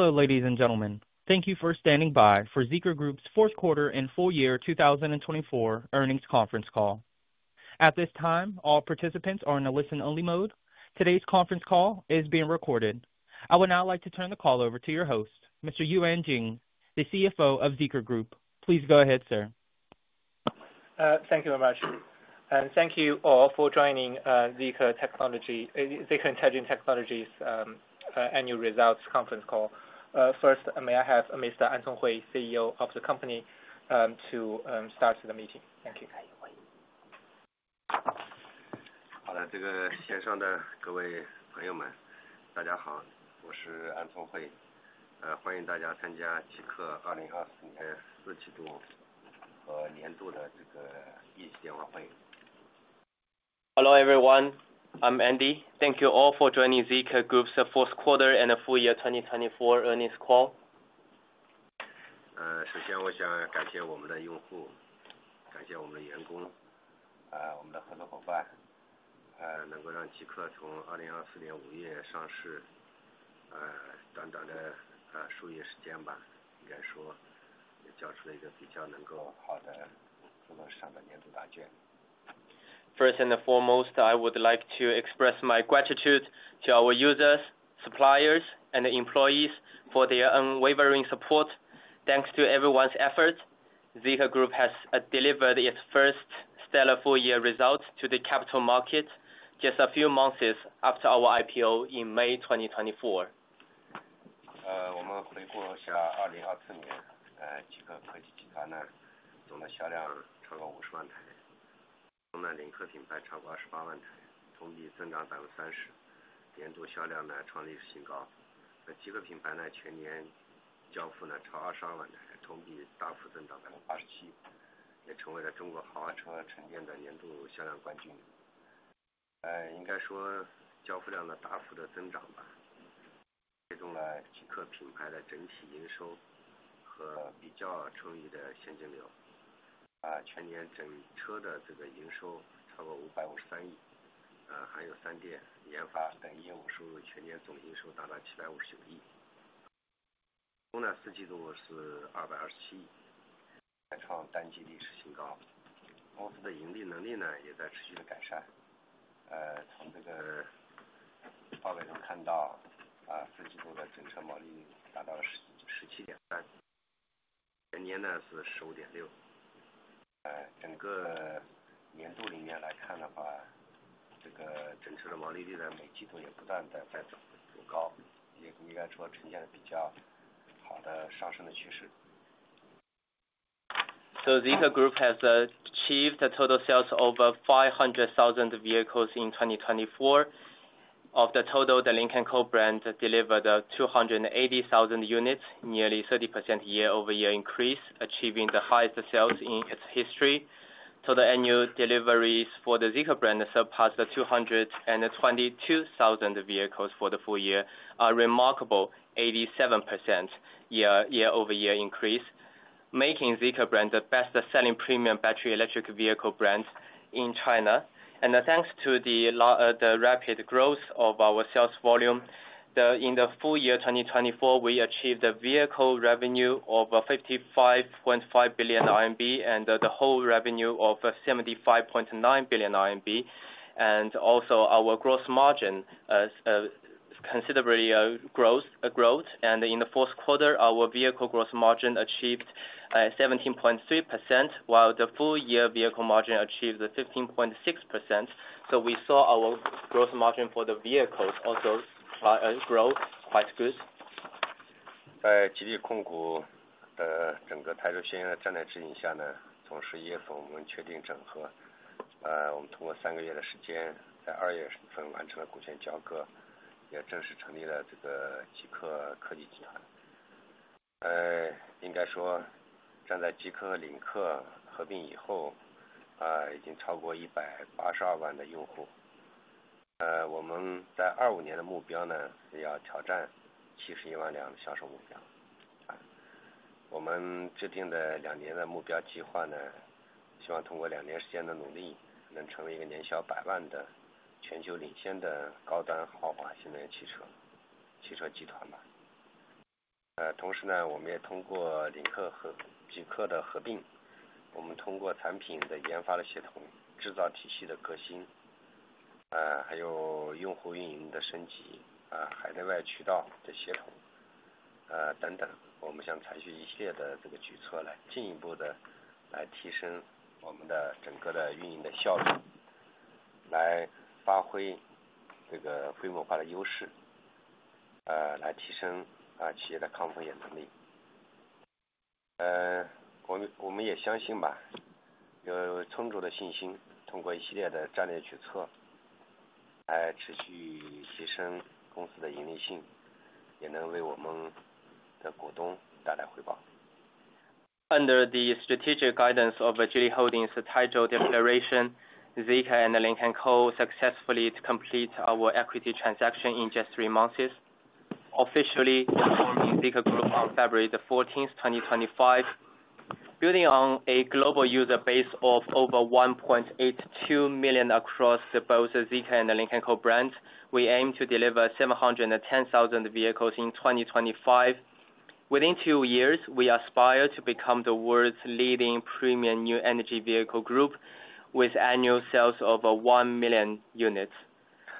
Hello, ladies and gentlemen. Thank you for standing by for Zeekr Group's fourth quarter and full year 2024 earnings conference call. At this time, all participants are in a listen-only mode. Today's conference call is being recorded. I would now like to turn the call over to your host, Mr. Yuan Jing, the CFO of Zeekr Group. Please go ahead, sir. Thank you very much. Thank you all for joining Zeekr Technology's annual results conference call. First, may I have Mr. An Conghui, CEO of the company, to start the meeting? Thank you. 好的，先生们，各位朋友们，大家好。我是安聪慧，欢迎大家参加极客2024年四季度和年度的议事电话会。Hello everyone, I'm Andy. Thank you all for joining Zeekr Group's fourth quarter and full year 2024 earnings call. 首先我想感谢我们的用户，感谢我们的员工，我们的合作伙伴，能够让极客从2024年5月上市，短短的数月时间，应该说也交出了一个比较能够好的年度答卷。First and foremost, I would like to express my gratitude to our users, suppliers, and employees for their unwavering support. Thanks to everyone's efforts, Zeekr Group has delivered its first stellar full year results to the capital market just a few months after our IPO in May 2024. Zeekr Group has achieved a total sales of over 500,000 vehicles in 2024. Of the total, the Lynk & Co brand delivered 280,000 units, nearly 30% year-over-year increase, achieving the highest sales in its history. Total annual deliveries for the Zeekr brand surpassed 222,000 vehicles for the full year, a remarkable 87% year-over-year increase, making Zeekr brand the best-selling premium battery electric vehicle brand in China. Thanks to the rapid growth of our sales volume, in the full year 2024, we achieved a vehicle revenue of 55.5 billion RMB and the whole revenue of 75.9 billion RMB. Also, our gross margin considerably grows. In the fourth quarter, our vehicle gross margin achieved 17.3%, while the full year vehicle margin achieved 15.6%. We saw our gross margin for the vehicles also grow quite good. Under the strategic guidance of Geely Holdings' title declaration, Zeekr and Lynk & Co successfully completed our equity transaction in just three months, officially forming Zeekr Group on February 14, 2025. Building on a global user base of over 1.82 million across both Zeekr and Lynk & Co-Brand, we aim to deliver 710,000 vehicles in 2025. Within two years, we aspire to become the world's leading premium new energy vehicle group, with annual sales of 1 million units.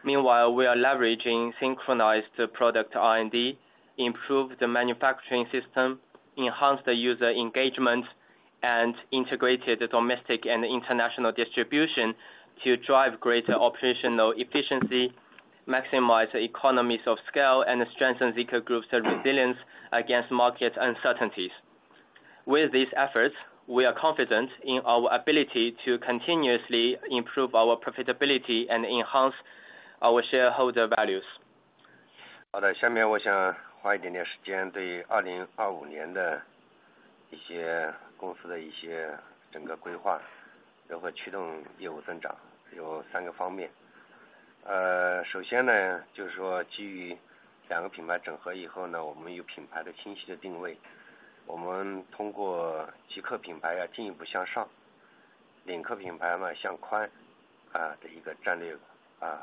Meanwhile, we are leveraging synchronized product R&D, improved manufacturing system, enhanced user engagement, and integrated domestic and international distribution to drive greater operational efficiency, maximize economies of scale, and strengthen Zeekr Group's resilience against market uncertainties. With these efforts, we are confident in our ability to continuously improve our profitability and enhance our shareholder values. 好的，下面我想花一点点时间对2025年的一些公司的整个规划，如何驱动业务增长，有三个方面。首先就是说，基于两个品牌整合以后，我们有品牌的清晰的定位。我们通过极客品牌要进一步向上，领克品牌向宽的一个战略规划。这样的话，对于整个极客科技集团进一步丰富产品的矩阵，来提升我们产品竞争力。Next,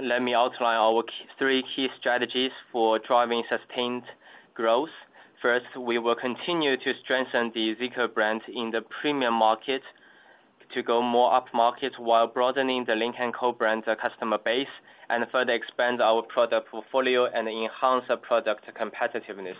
let me outline our three key strategies for driving sustained growth. First, we will continue to strengthen the Zeekr brand in the premium market to go more upmarket while broadening the Lynk & Co customer base and further expand our product portfolio and enhance product competitiveness.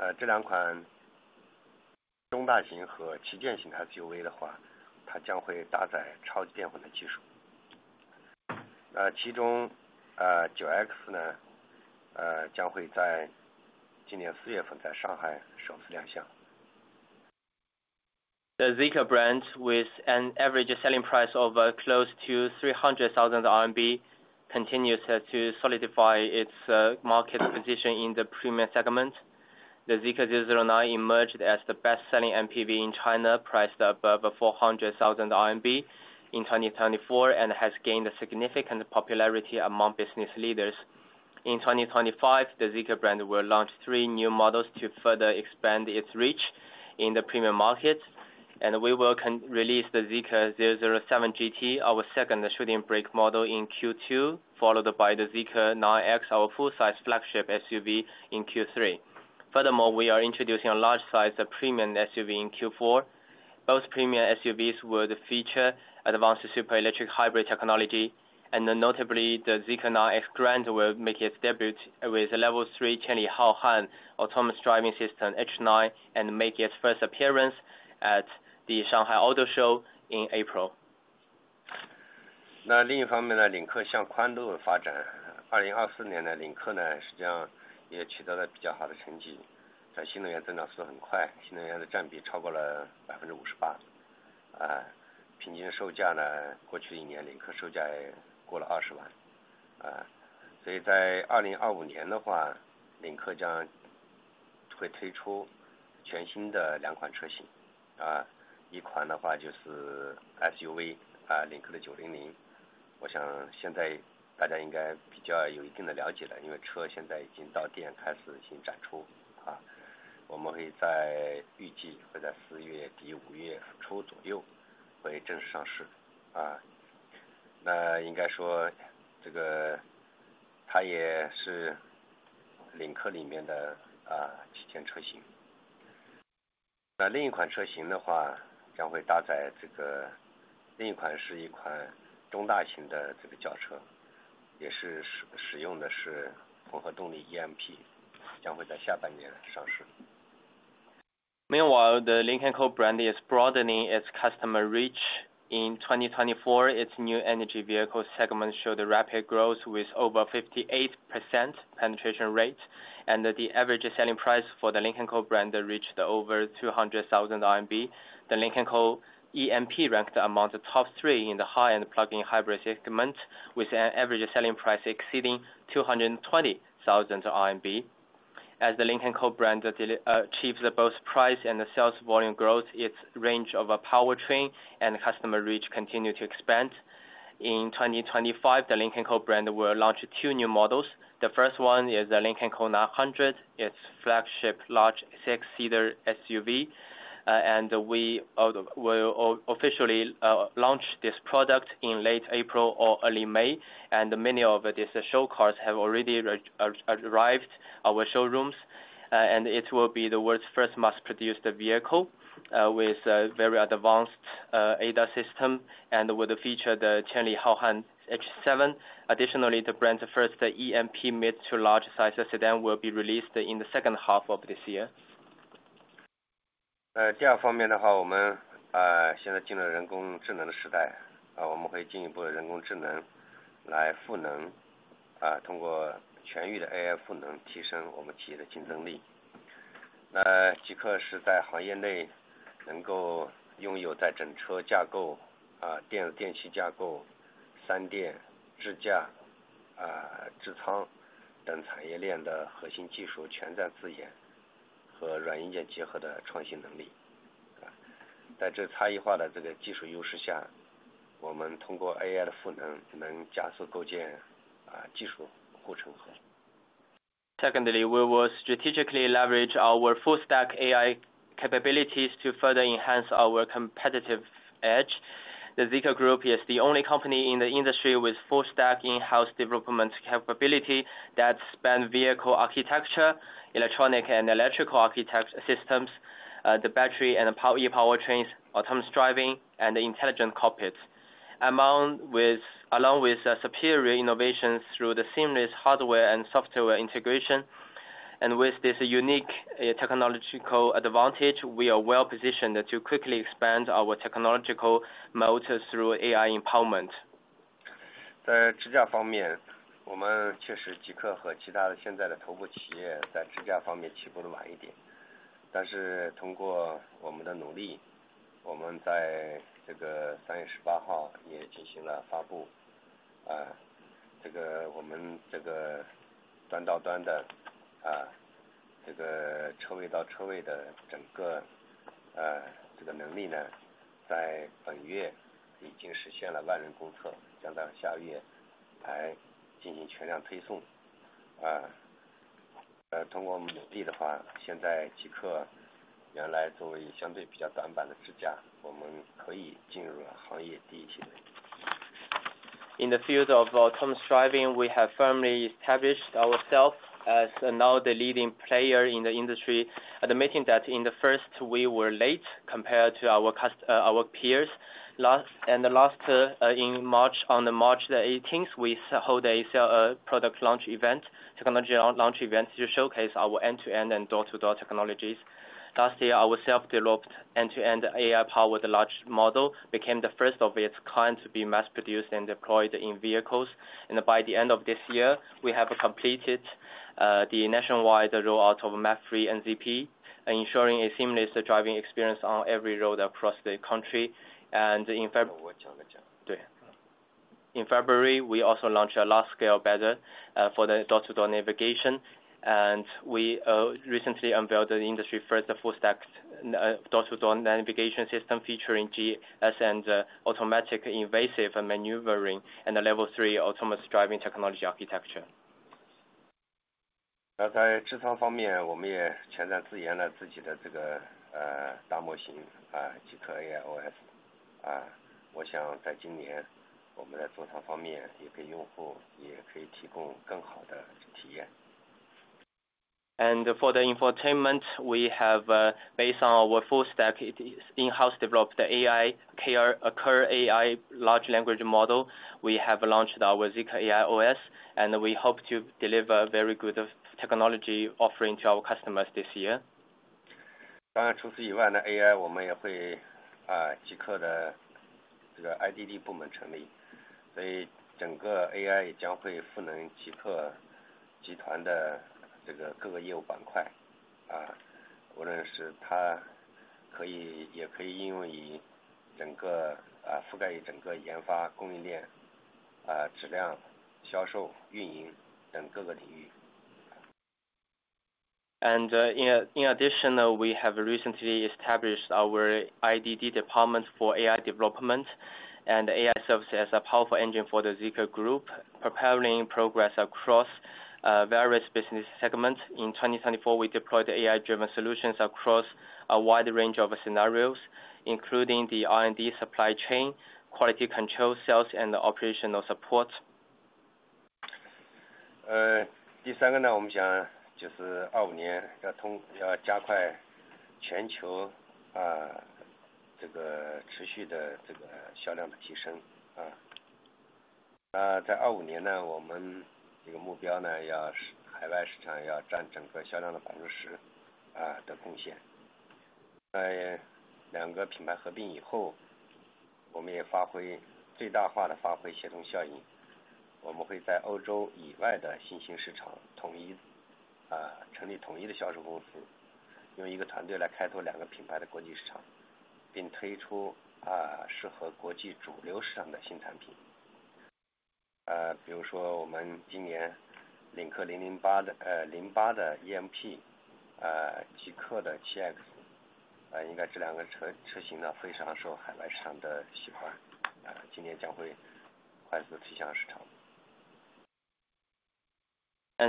The Zeekr brand, with an average selling price of close to 300,000 RMB, continues to solidify its market position in the premium segment. The Zeekr 009 emerged as the best-selling MPV in China, priced above 400,000 RMB in 2024, and has gained significant popularity among business leaders. In 2025, the Zeekr brand will launch three new models to further expand its reach in the premium market. We will release the Zeekr 007 GT, our second shooting brake model in Q2, followed by the Zeekr 9X, our full-size flagship SUV in Q3. Furthermore, we are introducing a large-size premium SUV in Q4. Both premium SUVs will feature advanced super electric hybrid technology. Notably, the Zeekr 9X Grand will make its debut with level three Chen Li Haohan autonomous driving system H9 and make its first appearance at the Shanghai Auto Show in April. Meanwhile, the Lynk & Co brand is broadening its customer reach. In 2024, its new energy vehicle segment showed rapid growth with over 58% penetration rate. The average selling price for the Lynk & Co brand reached over 200,000 RMB. The Lynk & Co EMP ranked among the top three in the high-end plug-in hybrid segment, with an average selling price exceeding 220,000 RMB. As the Lynk & Co brand achieves both price and sales volume growth, its range of powertrain and customer reach continue to expand. In 2025, the Lynk & Co brand will launch two new models. The first one is the Lynk & Co 900, its flagship large six-seater SUV. We will officially launch this product in late April or early May. Many of these show cars have already arrived at our showrooms. It will be the world's first mass-produced vehicle with a very advanced ADAS system and will feature the Chen Li Haohan H7.Additionally, the brand's first EMP mid to large-size sedan will be released in the second half of this year. Secondly, we will strategically leverage our full-stack AI capabilities to further enhance our competitive edge. The Zeekr Group is the only company in the industry with full-stack in-house development capability that spans vehicle architecture, electronic and electrical architecture systems, the battery and E-power trains, autonomous driving, and intelligent cockpits, along with superior innovations through the seamless hardware and software integration. With this unique technological advantage, we are well positioned to quickly expand our technological moat through AI empowerment. In the field of autonomous driving, we have firmly established ourselves as now the leading player in the industry, admitting that in the first we were late compared to our peers. Last March, on March 18, we held a product launch event, technology launch event to showcase our end-to-end and door-to-door technologies. Last year, our self-developed end-to-end AI-powered large model became the first of its kind to be mass-produced and deployed in vehicles. By the end of this year, we have completed the nationwide rollout of MAP III NZP, ensuring a seamless driving experience on every road across the country. In. 我讲的讲。对。In February, we also launched a large-scale banner for the door-to-door navigation. We recently unveiled the industry-first full-stack door-to-door navigation system featuring GS and automatic invasive maneuvering and level three autonomous driving technology architecture. 在智舱方面，我们也全栈自研了自己的大模型极客AI OS。我想在今年我们在座舱方面也给用户也可以提供更好的体验。For the infotainment, we have, based on our full-stack in-house developed AI, Kerr AI large language model, we have launched our Zeekr AI OS. We hope to deliver a very good technology offering to our customers this year. In addition, we have recently established our IDD department for AI development and AI services as a powerful engine for the Zeekr Group, propelling progress across various business segments. In 2024, we deployed AI-driven solutions across a wide range of scenarios, including the R&D supply chain, quality control cells, and operational support.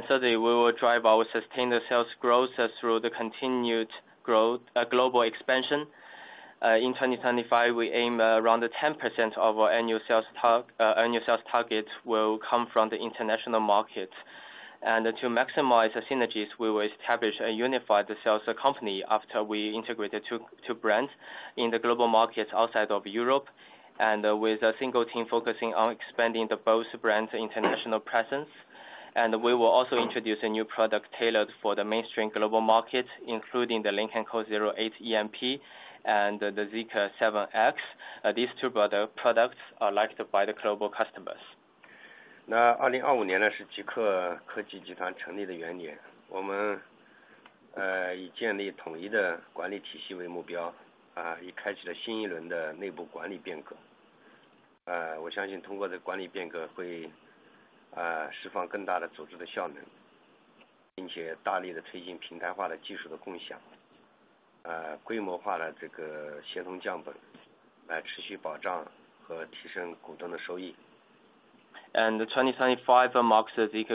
Thirdly, we will drive our sustained sales growth through the continued global expansion. In 2025, we aim around 10% of our annual sales targets will come from the international market. To maximize synergies, we will establish a unified sales company after we integrate the two brands in the global markets outside of Europe, with a single team focusing on expanding both brands' international presence. We will also introduce a new product tailored for the mainstream global markets, including the Lynk & Co 08 EMP and the Zeekr 7X. These two products are liked by the global customers. 2025年是极客科技集团成立的元年。我们以建立统一的管理体系为目标，已开启了新一轮的内部管理变革。我相信通过这个管理变革会释放更大的组织的效能，并且大力地推进平台化的技术的共享，规模化的协同降本，持续保障和提升股东的收益。2025 marks Zeekr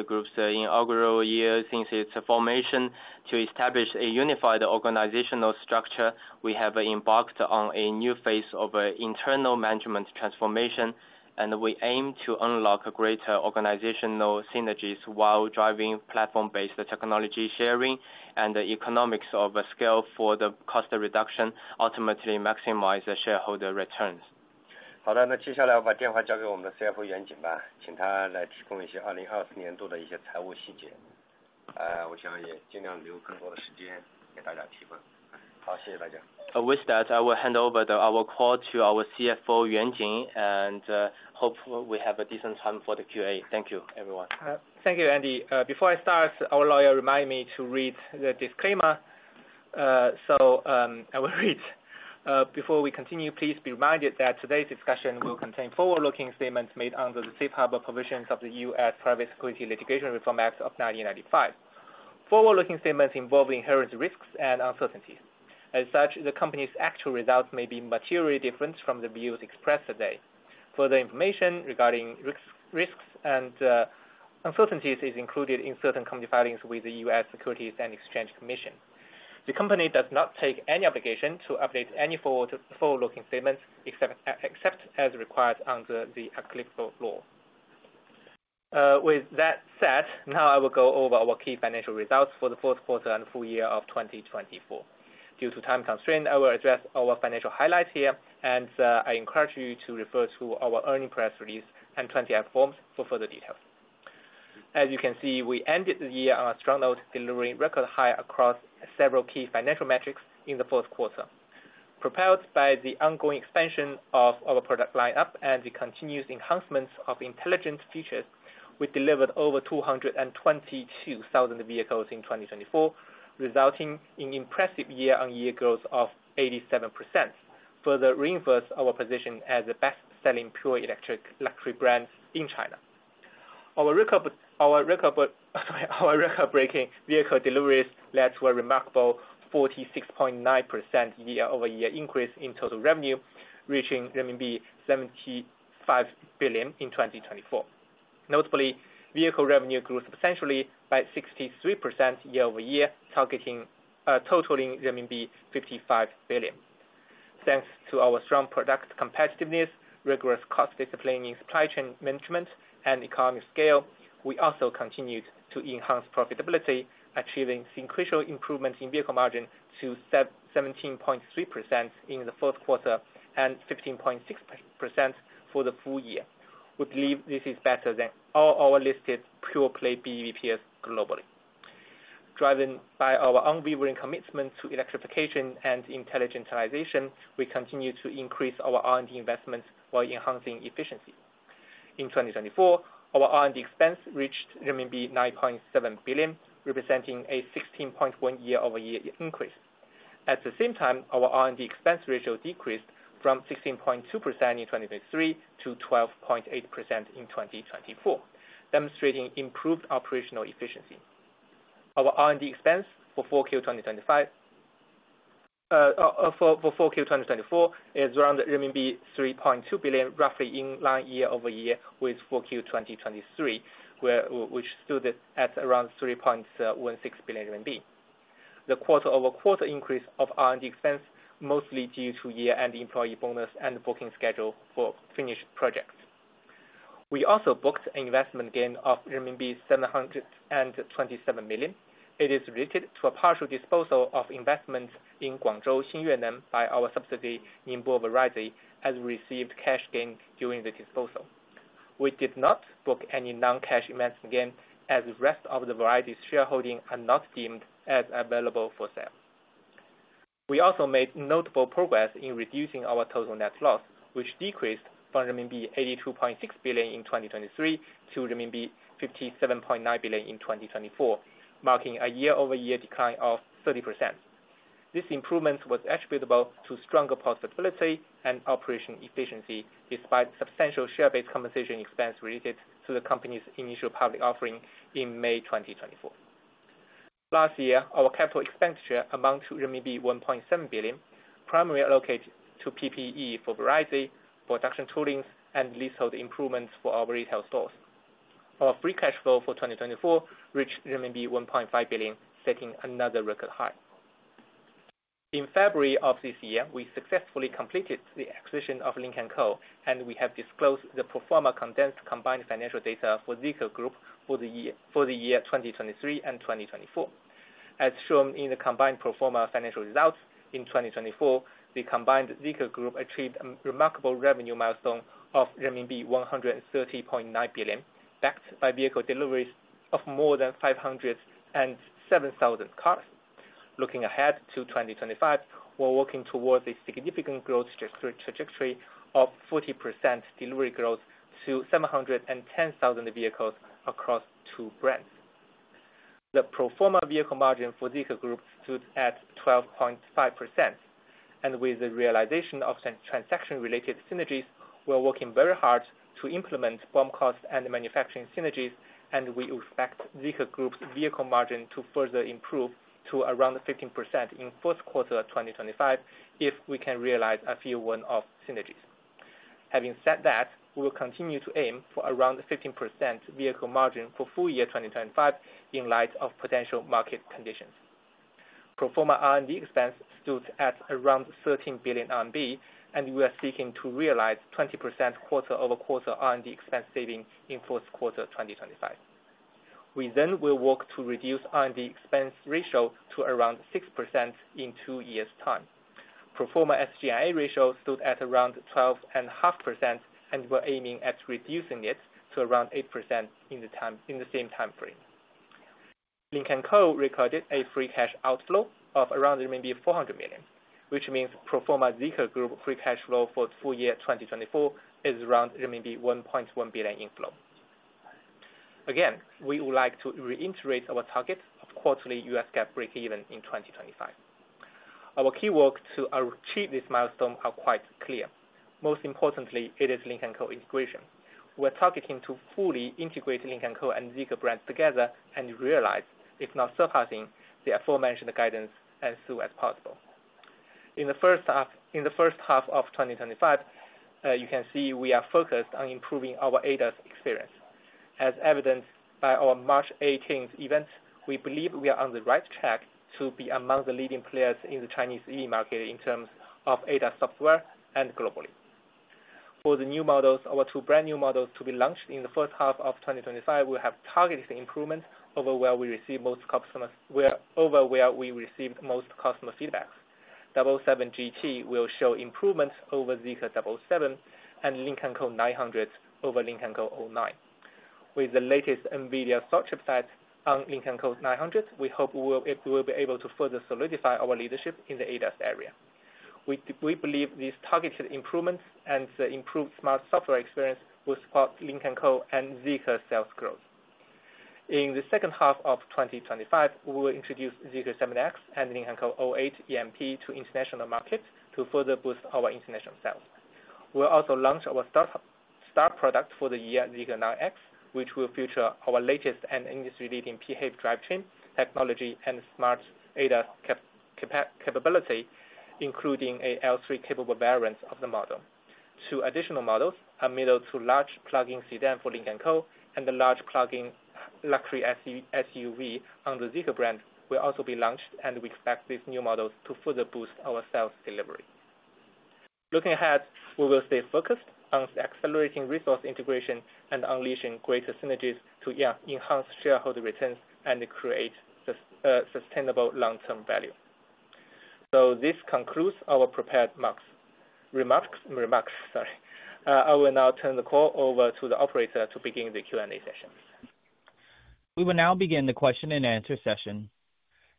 Group's inaugural year since its formation. To establish a unified organizational structure, we have embarked on a new phase of internal management transformation. We aim to unlock greater organizational synergies while driving platform-based technology sharing and economics of scale for the cost reduction, ultimately maximizing shareholder returns. 好的，接下来我把电话交给我们的CFO袁景，请他来提供一些2024年度的一些财务细节。我想也尽量留更多的时间给大家提问。好，谢谢大家。With that, I will hand over our call to our CFO, Yuan Jing, and hope we have a decent time for the Q&A. Thank you, everyone. Thank you, Andy. Before I start, our lawyer reminded me to read the disclaimer. I will read. Before we continue, please be reminded that today's discussion will contain forward-looking statements made under the Safe Harbor provisions of the U.S. Private Security Litigation Reform Act of 1995. Forward-looking statements involve inherent risks and uncertainties. As such, the company's actual results may be materially different from the views expressed today. Further information regarding risks and uncertainties is included in certain company filings with the U.S. Securities and Exchange Commission. The company does not take any obligation to update any forward-looking statements except as required under the applicable law. With that said, now I will go over our key financial results for the fourth quarter and full year of 2024. Due to time constraints, I will address our financial highlights here, and I encourage you to refer to our earnings press release and 20-F forms for further details. As you can see, we ended the year on a strong note, delivering record high across several key financial metrics in the fourth quarter. Propelled by the ongoing expansion of our product lineup and the continuous enhancements of intelligent features, we delivered over 222,000 vehicles in 2024, resulting in impressive year-on-year growth of 87%, further reinforcing our position as the best-selling pure electric luxury brand in China. Our record-breaking vehicle deliveries led to a remarkable 46.9% year-over-year increase in total revenue, reaching RMB 75 billion in 2024. Notably, vehicle revenue grew substantially by 63% year-over-year, totaling renminbi 55 billion. Thanks to our strong product competitiveness, rigorous cost discipline in supply chain management, and economic scale, we also continued to enhance profitability, achieving sequential improvements in vehicle margin to 17.3% in the fourth quarter and 15.6% for the full year. We believe this is better than all our listed pure play BEVs globally. Driven by our unwavering commitment to electrification and intelligentization, we continue to increase our R&D investments while enhancing efficiency. In 2024, our R&D expense reached RMB 9.7 billion, representing a 16.1% year-over-year increase. At the same time, our R&D expense ratio decreased from 16.2% in 2023 to 12.8% in 2024, demonstrating improved operational efficiency. Our R&D expense for Q4 2024 is around renminbi 3.2 billion, roughly in line year-over-year with Q4 2023, which stood at around 3.16 billion RMB. The quarter-over-quarter increase of R&D expense, mostly due to year-end employee bonus and booking schedule for finished projects. We also booked an investment gain of RMB 727 million. It is related to a partial disposal of investment in Guangzhou Xinyuan by our subsidiary Nimble Variety, as we received cash gain during the disposal. We did not book any non-cash investment gain, as the rest of the Variety's shareholding are not deemed as available for sale. We also made notable progress in reducing our total net loss, which decreased from renminbi 82.6 billion in 2023 to renminbi 57.9 billion in 2024, marking a year-over-year decline of 30%. This improvement was attributable to stronger profitability and operational efficiency, despite substantial share-based compensation expense related to the company's initial public offering in May 2024. Last year, our capital expenditure amounted to renminbi 1.7 billion, primarily allocated to PPE for Variety, production toolings, and leasehold improvements for our retail stores. Our free cash flow for 2024 reached RMB 1.5 billion, setting another record high. In February of this year, we successfully completed the acquisition of Lynk & Co, and we have disclosed the pro forma condensed combined financial data for Zeekr Group for the year 2023 and 2024. As shown in the combined pro forma financial results, in 2024, the combined Zeekr Group achieved a remarkable revenue milestone of renminbi 130.9 billion, backed by vehicle deliveries of more than 507,000 cars. Looking ahead to 2025, we're working towards a significant growth trajectory of 40% delivery growth to 710,000 vehicles across two brands. The pro forma vehicle margin for Zeekr Group stood at 12.5%. With the realization of transaction-related synergies, we're working very hard to implement BOM cost and manufacturing synergies, and we expect Zeekr Group's vehicle margin to further improve to around 15% in fourth quarter 2025 if we can realize a few one-off synergies. Having said that, we will continue to aim for around 15% vehicle margin for full year 2025 in light of potential market conditions. Performer R&D expense stood at around 13 billion RMB, and we are seeking to realize 20% quarter-over-quarter R&D expense saving in fourth quarter 2025. We then will work to reduce R&D expense ratio to around 6% in two years' time. Performer SG&A ratio stood at around 12.5%, and we're aiming at reducing it to around 8% in the same timeframe. & Co recorded a free cash outflow of around 400 million, which means pro forma Zeekr Group free cash flow for full year 2024 is around RMB 1.1 billion inflow. Again, we would like to reiterate our target of quarterly U.S. GAAP break-even in 2025. Our key work to achieve this milestone is quite clear. Most importantly, it is Lynk & Co integration. We're targeting to fully integrate Lynk & Co and Zeekr brands together and realize, if not surpassing, the aforementioned guidance as soon as possible. In the first half of 2025, you can see we are focused on improving our ADAS experience. As evidenced by our March 18th event, we believe we are on the right track to be among the leading players in the Chinese EV market in terms of ADAS software and globally. For the new models, our two brand new models to be launched in the first half of 2025 will have targeted improvements over where we received most customer feedback. Zeekr 007 GT will show improvements over Zeekr 007 and Lynk & Co 900 over Lynk & Co 09. With the latest NVIDIA SOC chipset on Lynk & Co 900, we hope we will be able to further solidify our leadership in the ADAS area. We believe these targeted improvements and improved smart software experience will support Lynk & Co and Zeekr sales growth. In the second half of 2025, we will introduce Zeekr 7X and Lynk & Co 08 EMP to international markets to further boost our international sales. We'll also launch our startup product for the year Zeekr 9X, which will feature our latest and industry-leading super electric hybrid system drivetrain technology and smart ADAS capability, including an L3-capable variant of the model. Two additional models, a middle to large plug-in sedan for Lynk & Co and a large plug-in luxury SUV under Zeekr brand, will also be launched, and we expect these new models to further boost our sales delivery. Looking ahead, we will stay focused on accelerating resource integration and unleashing greater synergies to enhance shareholder returns and create sustainable long-term value. This concludes our prepared marks. I will now turn the call over to the operator to begin the Q&A session. We will now begin the question-and-answer session.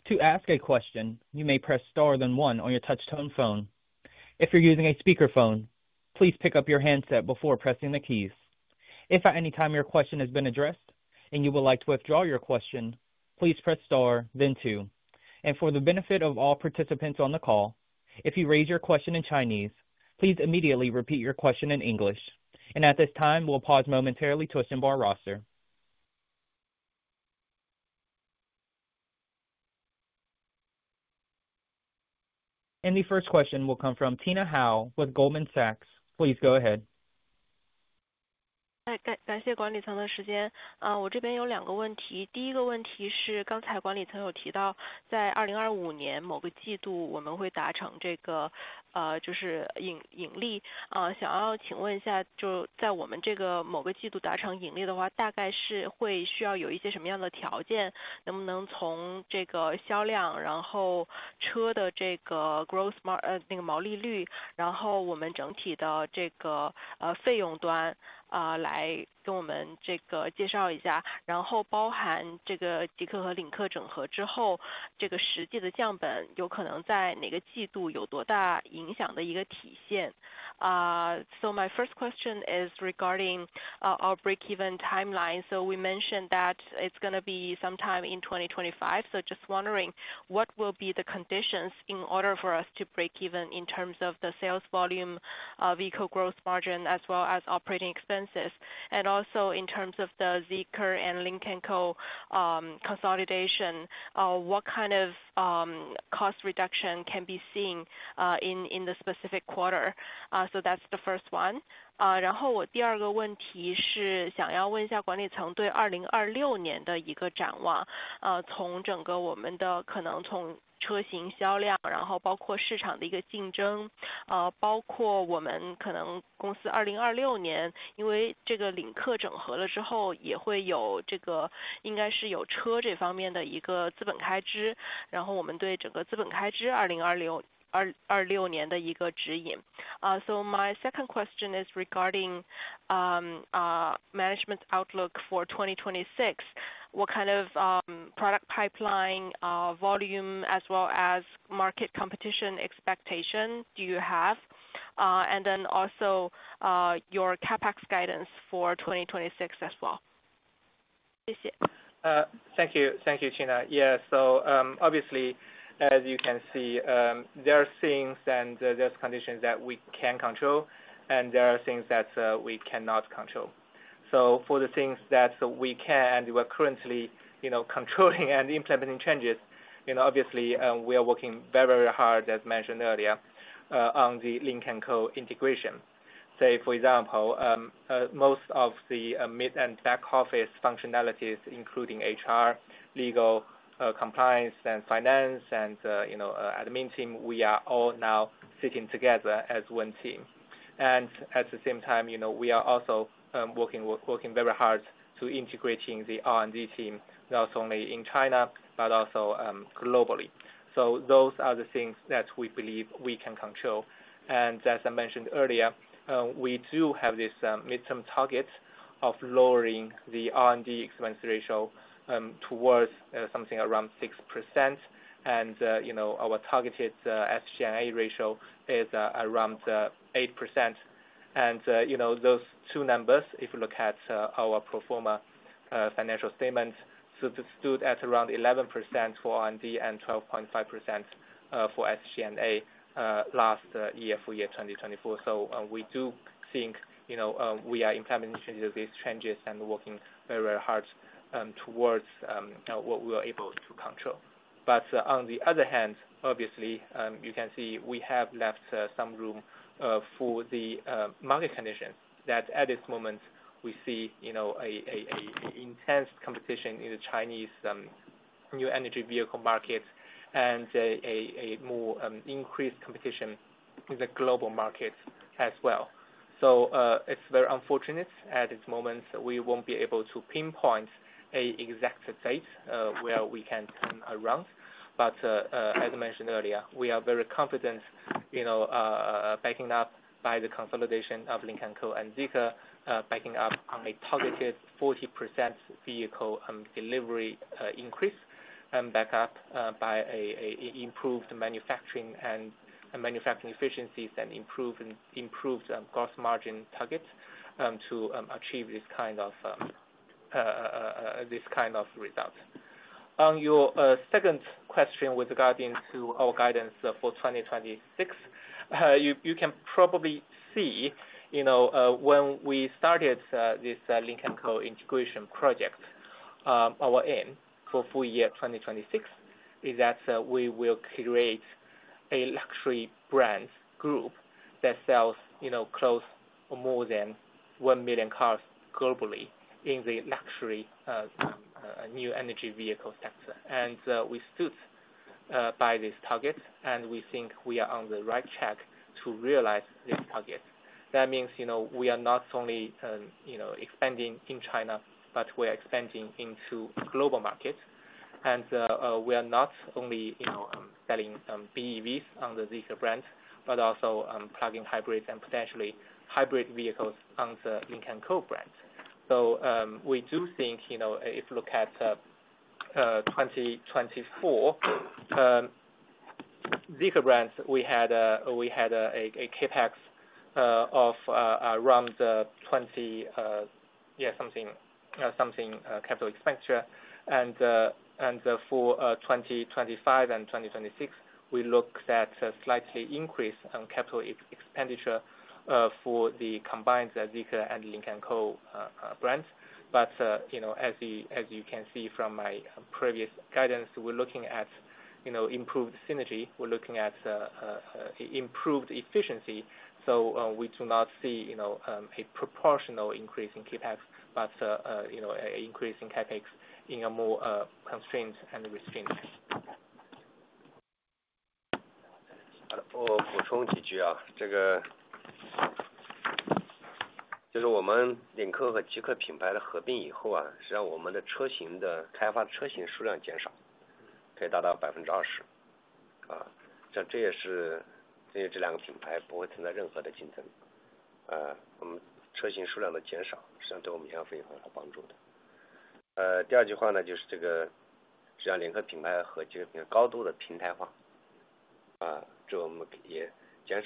To ask a question, you may press star then one on your touch-tone phone. If you're using a speakerphone, please pick up your handset before pressing the keys. If at any time your question has been addressed and you would like to withdraw your question, please press star, then two. For the benefit of all participants on the call, if you raise your question in Chinese, please immediately repeat your question in English. At this time, we'll pause momentarily to assemble our roster. The first question will come from Tina Hou Golden sachs . Please go ahead. My first question is regarding our break-even timeline. We mentioned that it's going to be sometime in 2025. Just wondering, what will be the conditions in order for us to break even in terms of the sales volume, vehicle gross margin, as well as operating expenses? Also, in terms of the Zeekr and Lynk & Co consolidation, what kind of cost reduction can be seen in the specific quarter? That's the first one. 然后第二个问题是想要问一下管理层对2026年的一个展望，从整个我们的可能从车型销量，然后包括市场的一个竞争，包括我们可能公司2026年因为这个领克整合了之后，也会有这个应该是有车这方面的一个资本开支，然后我们对整个资本开支2026年的一个指引。So my second question is regarding management outlook for 2026. What kind of product pipeline, volume, as well as market competition expectation do you have? And then also your CapEx guidance for 2026 as well. Thank you. Thank you, Tina. Yeah. Obviously, as you can see, there are things and there are conditions that we can control, and there are things that we cannot control. For the things that we can and we're currently controlling and implementing changes, obviously, we are working very, very hard, as mentioned earlier, on the Lynk & Co integration. For example, most of the mid and back office functionalities, including HR, legal, compliance, finance, and admin team, we are all now sitting together as one team. At the same time, we are also working very hard to integrate in the R&D team, not only in China but also globally. Those are the things that we believe we can control. As I mentioned earlier, we do have this midterm target of lowering the R&D expense ratio towards something around 6%, and our targeted SG&A ratio is around 8%. Those two numbers, if you look at our pro forma financial statements, stood at around 11% for R&D and 12.5% for SG&A last year for year 2024. We do think we are implementing these changes and working very, very hard towards what we are able to control. On the other hand, obviously, you can see we have left some room for the market conditions that at this moment we see intense competition in the Chinese new energy vehicle market and a more increased competition in the global markets as well. It is very unfortunate at this moment that we won't be able to pinpoint an exact date where we can turn around. As I mentioned earlier, we are very confident, backed up by the consolidation of Lynk & Co and Zeekr, backed up on a targeted 40% vehicle delivery increase, and backed up by improved manufacturing and manufacturing efficiencies and improved gross margin target to achieve this kind of result. On your second question regarding our guidance for 2026, you can probably see when we started this Lynk & Co integration project, our aim for full year 2026 is that we will create a luxury brand group that sells close to more than 1 million cars globally in the luxury new energy vehicle sector. We stood by this target, and we think we are on the right track to realize this target. That means we are not only expanding in China, but we are expanding into global markets. We are not only selling BEVs under Zeekr brand, but also plug-in hybrids and potentially hybrid vehicles under Lynk & Co brand. We do think if you look at 2024, Zeekr brand, we had a CapEx of around 20, yeah, something capital expenditure. For 2025 and 2026, we looked at a slightly increase in capital expenditure for the combined Zeekr and Lynk & Co brands. As you can see from my previous guidance, we're looking at improved synergy. We're looking at improved efficiency. We do not see a proportional increase in CapEx, but an increase in CapEx in a more constrained and restrained. I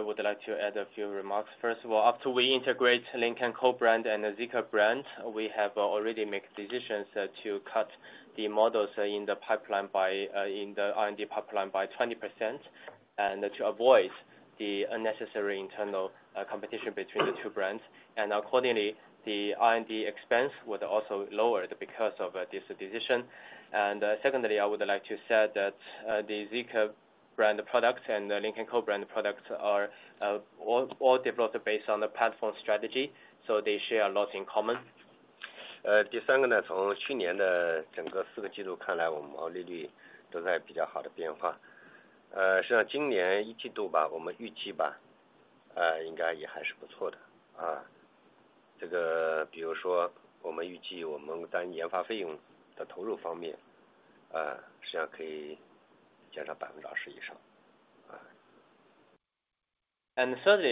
would like to add a few remarks. First of all, after we integrate Lynk & Co brand and Zeekr brand, we have already made decisions to cut the models in the R&D pipeline by 20% and to avoid the unnecessary internal competition between the two brands. Accordingly, the R&D expense would also be lowered because of this decision. Secondly, I would like to say that the Zeekr brand products and Lynk & Co brand products are all developed based on a platform strategy, so they share a lot in common. 第三个呢，从去年的整个四个季度看来，我们毛利率都在比较好的变化。实际上今年一季度吧，我们预计吧，应该也还是不错的。这个，比如说我们预计我们单研发费用的投入方面，实际上可以减少20%以上。Thirdly,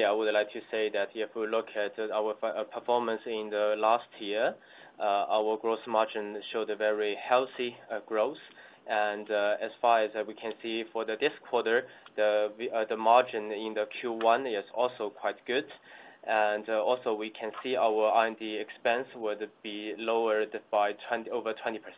I would like to say that if we look at our performance in the last year, our gross margin showed a very healthy growth. As far as we can see for this quarter, the margin in Q1 is also quite good. Also, we can see our R&D expense would be lowered by over 20%.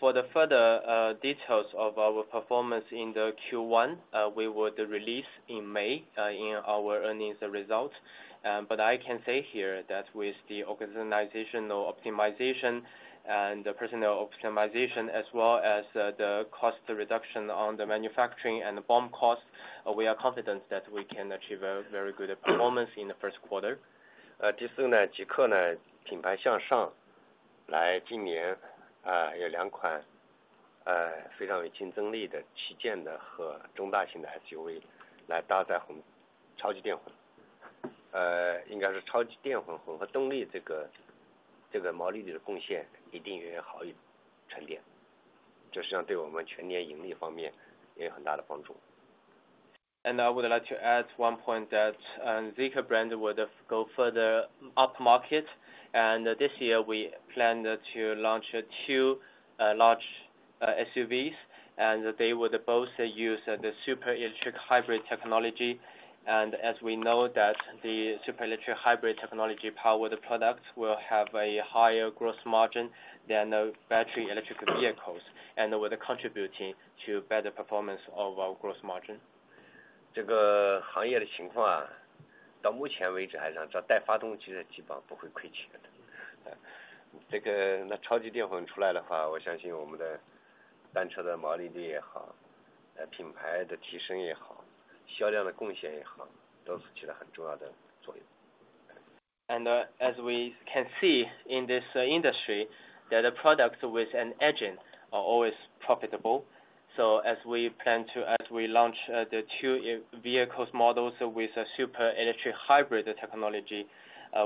For further details of our performance in Q1, we would release in May our earnings results. I can say here that with the organizational optimization and the personnel optimization, as well as the cost reduction on the manufacturing and the BOM cost, we are confident that we can achieve a very good performance in the first quarter. Fourth, Zeekr brand will move upmarket this year with two highly competitive flagship and large mid-size SUVs equipped with our super electric hybrid. The super electric hybrid powertrain will contribute a much better gross margin than pure electric. This will also be very helpful for our full-year profitability. In this industry so far, as long as the product has an engine, it is basically not losing money. With the super electric hybrid coming out, I believe our gross margin per vehicle, brand elevation, and sales contribution will all play a very important role. As we plan to, as we launch the two vehicle models with super electric hybrid technology,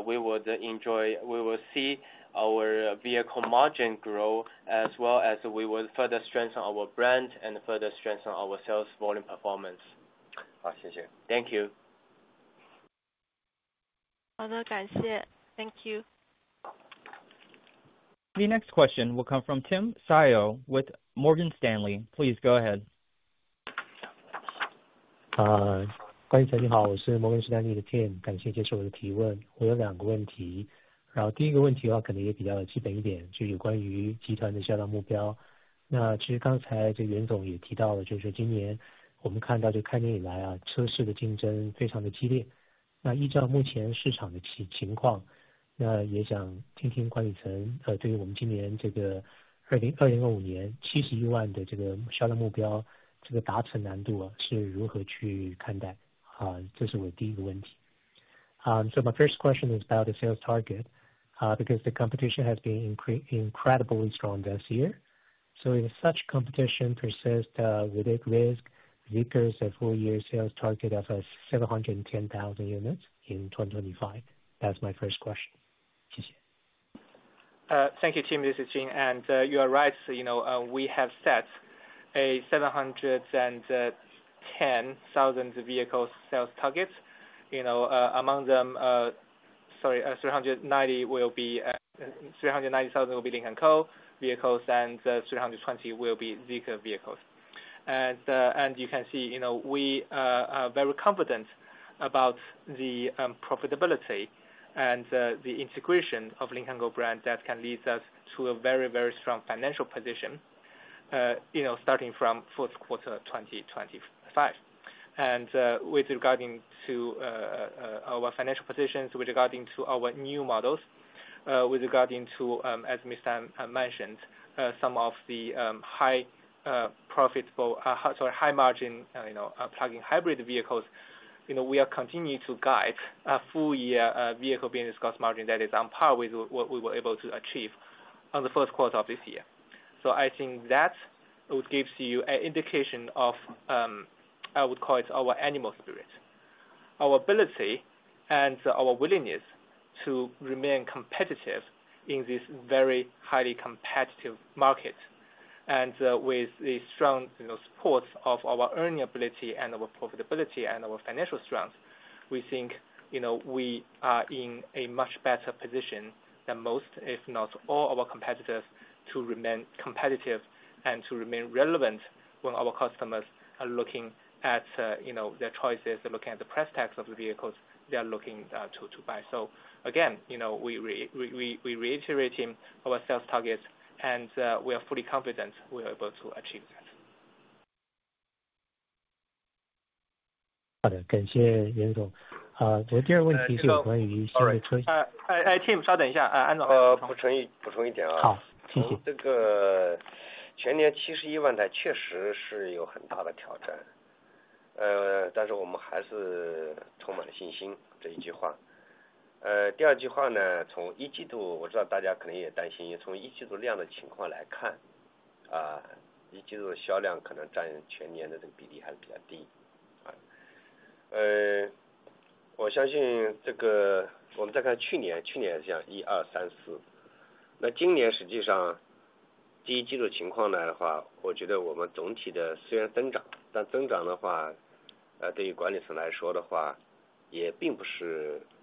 we will enjoy, we will see our vehicle margin grow, as well as we will further strengthen our brand and further strengthen our sales volume performance. 好，谢谢。好的，感谢。The next question will come from Tim Sayo with Morgan Stanley. Please go ahead. 各位同学你好，我是摩根士丹利的 Tim，感谢接受我的提问。我有两个问题，然后第一个问题的话可能也比较基本一点，就是有关于集团的销量目标。那其实刚才这个袁总也提到了，就是说今年我们看到就开年以来，车市的竞争非常的激烈。那依照目前市场的情况，那也想听听管理层，对于我们今年这个2025年71万的这个销量目标，这个达成难度，是如何去看待。这是我的第一个问题。My first question is about the sales target, because the competition has been incredibly strong this year. If such competition persists, would it risk Zeekr's full year sales target of 710,000 units in 2025? That's my first question. Thank you, Tim. This is Jin. You are right, we have set a 710,000 vehicle sales target. Among them, 390,000 will be Lynk & Co vehicles and 320,000 will be Zeekr vehicles. You can see, we are very confident about the profitability and the integration of Lynk & Co brand that can lead us to a very, very strong financial position, starting from fourth quarter 2025. With regard to our financial positions, with regard to our new models, with regard to, as Mr. Stanley mentioned, some of the high margin, plug-in hybrid vehicles, we are continuing to guide a full year vehicle business cost margin that is on par with what we were able to achieve in the first quarter of this year. I think that gives you an indication of, I would call it our animal spirit, our ability, and our willingness to remain competitive in this very highly competitive market. With the strong support of our earning ability and our profitability and our financial strength, we think, we are in a much better position than most, if not all, our competitors to remain competitive and to remain relevant when our customers are looking at, their choices, they're looking at the price tags of the vehicles they are looking to buy. Again, we reiterate our sales targets and we are fully confident we are able to achieve that. 好的，感谢袁总。我第二个问题是有关于新的车型。Tim，稍等一下，安总。补充一点。好，谢谢。全年71万台确实是有很大的挑战，但是我们还是充满了信心，这一句话。第二句话，从一季度，我知道大家可能也担心，因为从一季度量的情况来看，一季度的销量可能占全年的比例还是比较低。我相信我们再看去年，去年是这样，一、二、三、四。那今年实际上第一季度情况来的话，我觉得我们总体的虽然增长，但增长的话，对于管理层来说的话，也并不是满意的，但是在预期之内的。那我们二、三、四几个季度都会有相应的新的车型，以及我们现在已经快速地把我们的支架的能力已经补上来了。所以我相信通过支架能力的提升进入第一梯队，这是一个基础。这一方面，通过全新的一些车型，二、三、四，无论是领克和极客，有竞争力车型的投放市场。所以我说二、三、四季度的话，应该说可以呈现一个比较大的一个增长。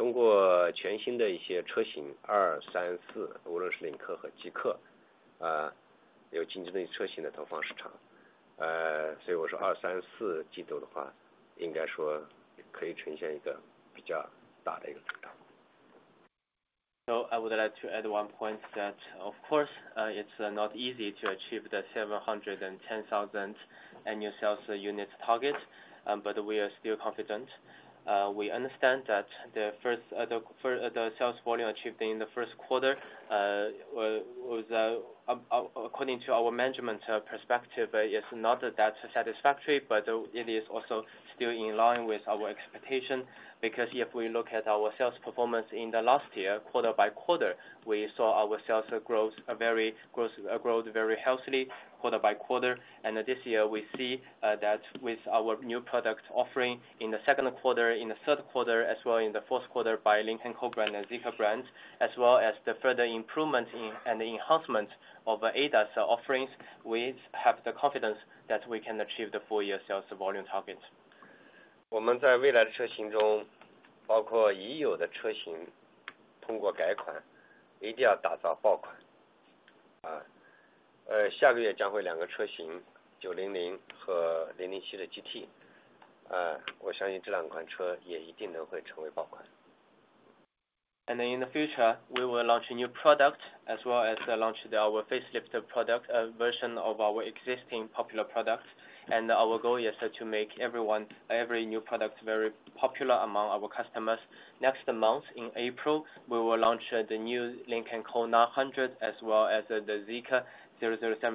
I would like to add one point that, of course, it's not easy to achieve the 710,000 annual sales units target, but we are still confident. We understand that the first sales volume achieved in the first quarter, according to our management perspective, is not that satisfactory, but it is also still in line with our expectation. Because if we look at our sales performance in the last year, quarter by quarter, we saw our sales growth very healthily quarter by quarter. This year we see that with our new product offering in the second quarter, in the third quarter, as well in the fourth quarter by Lynk & Co brand and Zeekr brands, as well as the further improvement and enhancement of ADAS offerings, we have the confidence that we can achieve the full year sales volume target. 我们在未来的车型中，包括已有的车型通过改款，一定要打造爆款。下个月将会两个车型，900和007的GT，我相信这两款车也一定能会成为爆款。In the future, we will launch a new product, as well as launch our facelifted version of our existing popular product. Our goal is to make every new product very popular among our customers. Next month, in April, we will launch the new Lynk & Co 900, as well as the Zeekr 007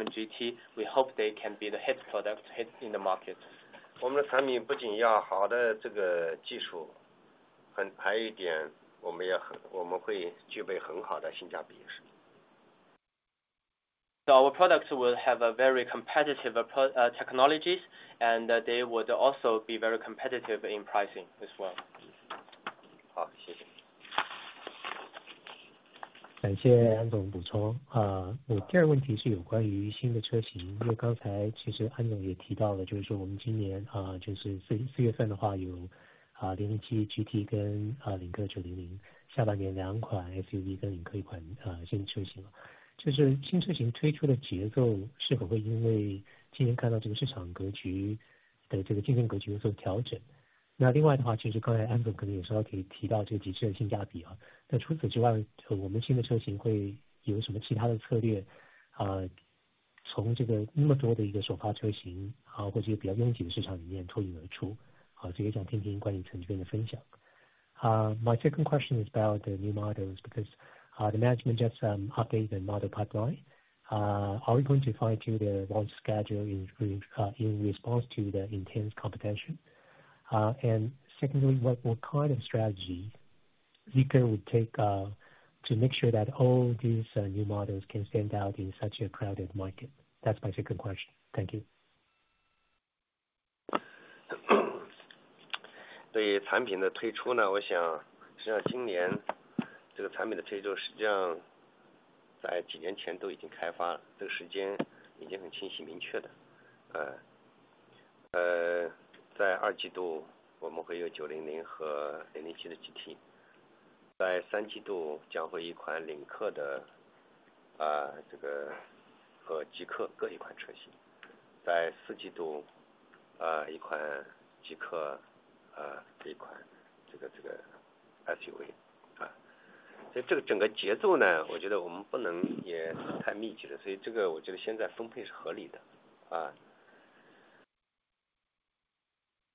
GT. We hope they can be the hit product in the market. 我们的产品不仅要好的技术，还有一点，我们会具备很好的性价比也是。So our products will have very competitive technologies, and they would also be very competitive in pricing as well. 好，谢谢。感谢安总补充。我第二个问题是有关于新的车型，因为刚才其实安总也提到了，就是说我们今年4月份的话，有007 My second question is about the new models, because the management just updated the model pipeline. Are we going to find you the launch schedule in response to the intense competition? And secondly, what kind of strategy Zeekr would take to make sure that all these new models can stand out in such a crowded market? That's my second question. Thank you.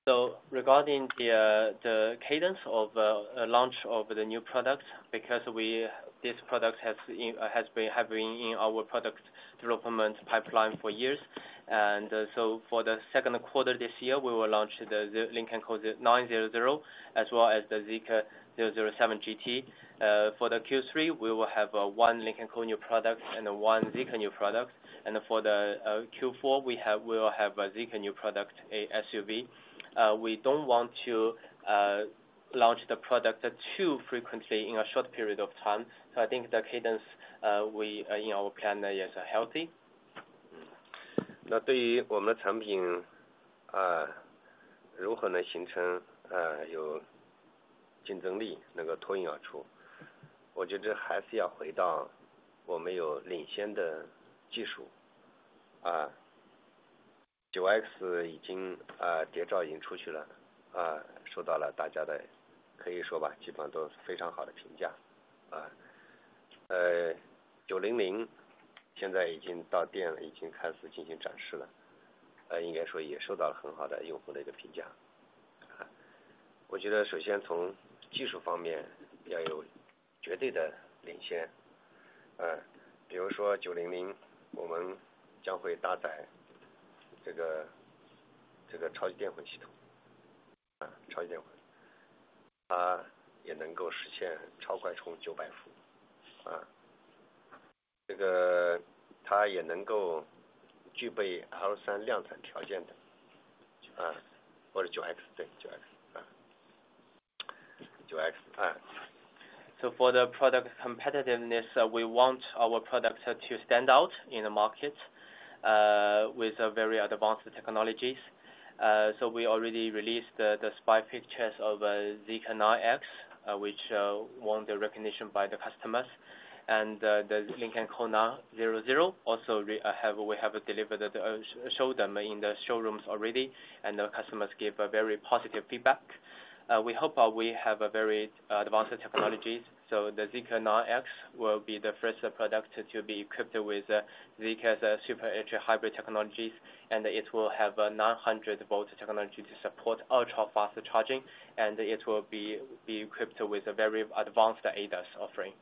So regarding the cadence of launch of the new products, because this product has been heavy in our product development pipeline for years, and so for the second quarter this year we will launch the Lynk & Co 900, as well as the Zeekr 007 GT. For the Q3 we will have one Lynk & Co new product and one Zeekr new product, and for the Q4 we will have a Zeekr new product, a SUV. We don't want to launch the product too frequently in a short period of time, so I think the cadence in our plan is healthy. For the product competitiveness, we want our product to stand out in the market with very advanced technologies. We already released the spy pictures of Zeekr 9X, which won the recognition by the customers, and the Lynk & Co 900 also we have delivered, showed them in the showrooms already, and the customers gave very positive feedback.charging, and it will be equipped with very advanced ADAS offering.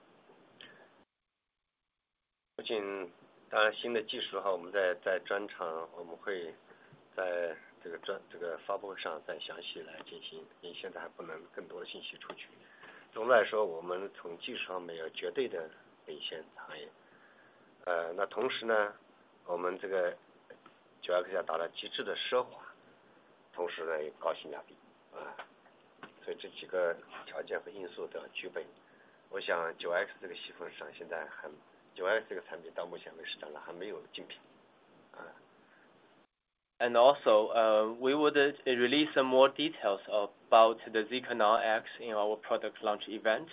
Not only, of course, regarding the new technologies, we will provide more details at the product launch event, because right now we cannot disclose more information. Overall, we are absolutely leading the industry from a technology perspective. At the same time, our 9X aims to achieve ultimate luxury as well as high cost performance, so all these conditions and factors need to be met. I think in this 9X segment, at present, there is no direct competitor for the 9X product. We would release more details about the Zeekr 9X in our product launch event,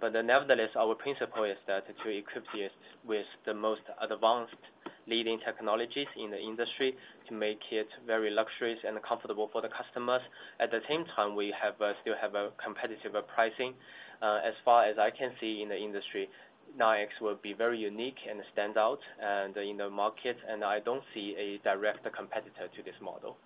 but nevertheless our principle is to equip this with the most advanced leading technologies in the industry to make it very luxurious and comfortable for the customers. At the same time, we still have a competitive pricing. As far as I can see in the industry, 9X will be very unique and stand out in the market, and I do not see a direct competitor to this model.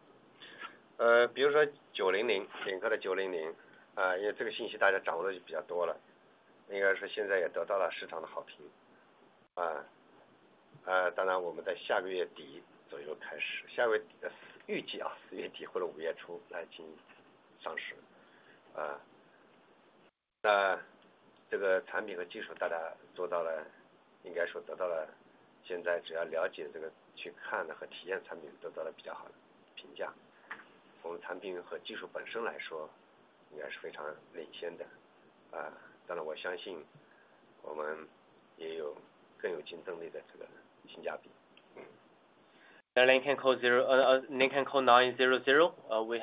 比如说900，领克的900，因为这个信息大家掌握的就比较多了，应该说现在也得到了市场的好评。当然我们在下个月底左右开始，下个月底的预计4月底或者5月初来进行上市。那这个产品和技术大家做到了，应该说得到了，现在只要了解去看和体验产品得到了比较好的评价。从产品和技术本身来说应该是非常领先的，当然我相信我们也有更有竞争力的性价比。Lincoln Co 900, we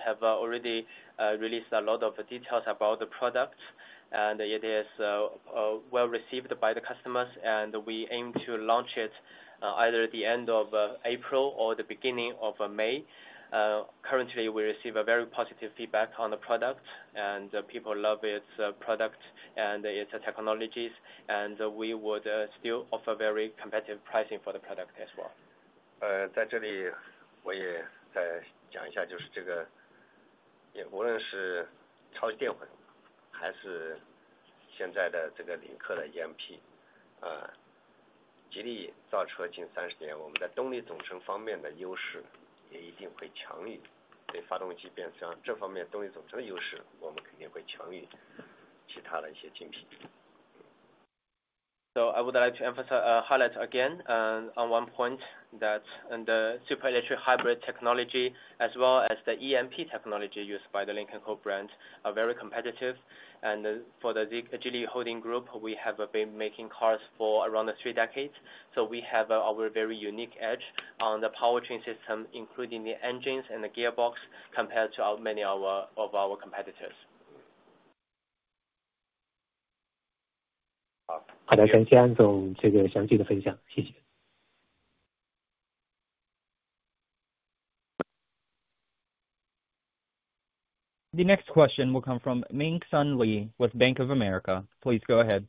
have already released a lot of details about the product, and it is well received by the customers, and we aim to launch it either at the end of April or the beginning of May. Currently, we receive very positive feedback on the product, and people love its product and its technologies, and we would still offer very competitive pricing for the product as well. I would like to highlight again on one point that the super electric hybrid technology as well as the EMP technology used by the Lynk & Co brand are very competitive, and for the Geely Holding Group, we have been making cars for around three decades, so we have our very unique edge on the powertrain system, including the engines and the gearbox compared to many of our competitors. 好的，感谢安总详细的分享，谢谢。The next question will come from Ming Sun Li with Bank of America. Please go ahead.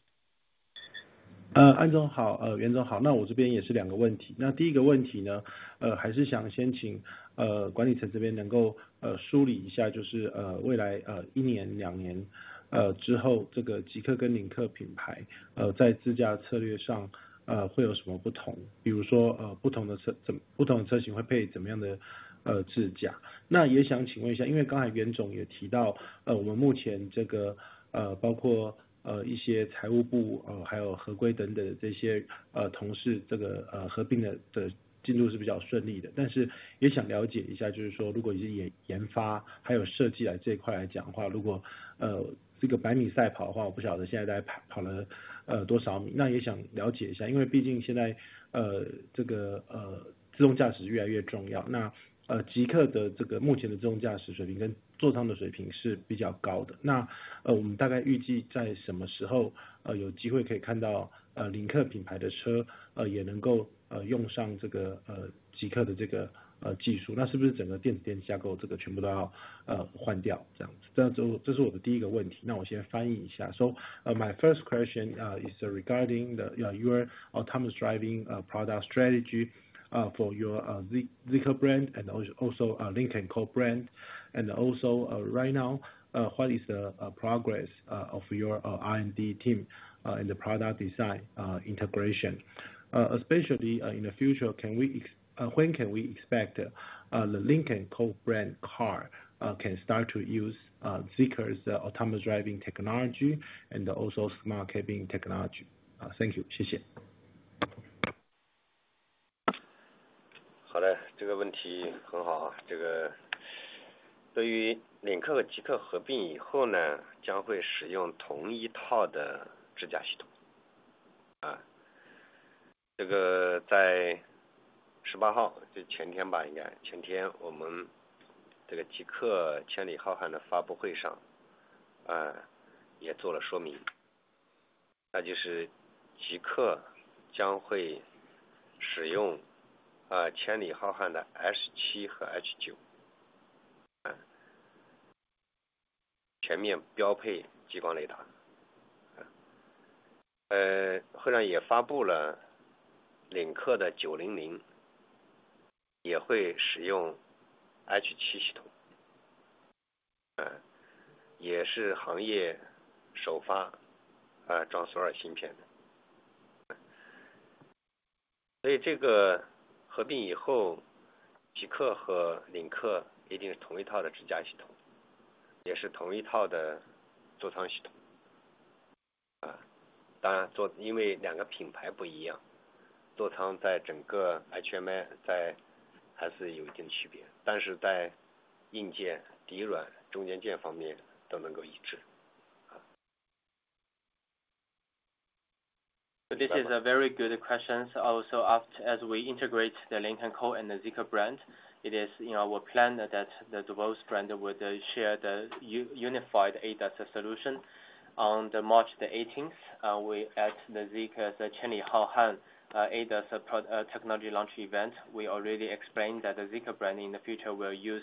So my first question is regarding your autonomous driving product strategy for your Zeekr brand and also Lincoln Co brand, and also right now what is the progress of your R&D team in the product design integration, especially in the future, when can we expect the Lincoln Co brand car can start to use Zeekr's autonomous driving technology and also smart cabin technology? Thank you, 谢谢。This is a very good question. Also, as we integrate the Lincoln Co and the Zeekr brand, it is in our plan that the DevOps brand would share the unified ADAS solution. On March the 18th, we at the Zeekr's 千里浩瀚 ADAS technology launch event, we already explained that the Zeekr brand in the future will use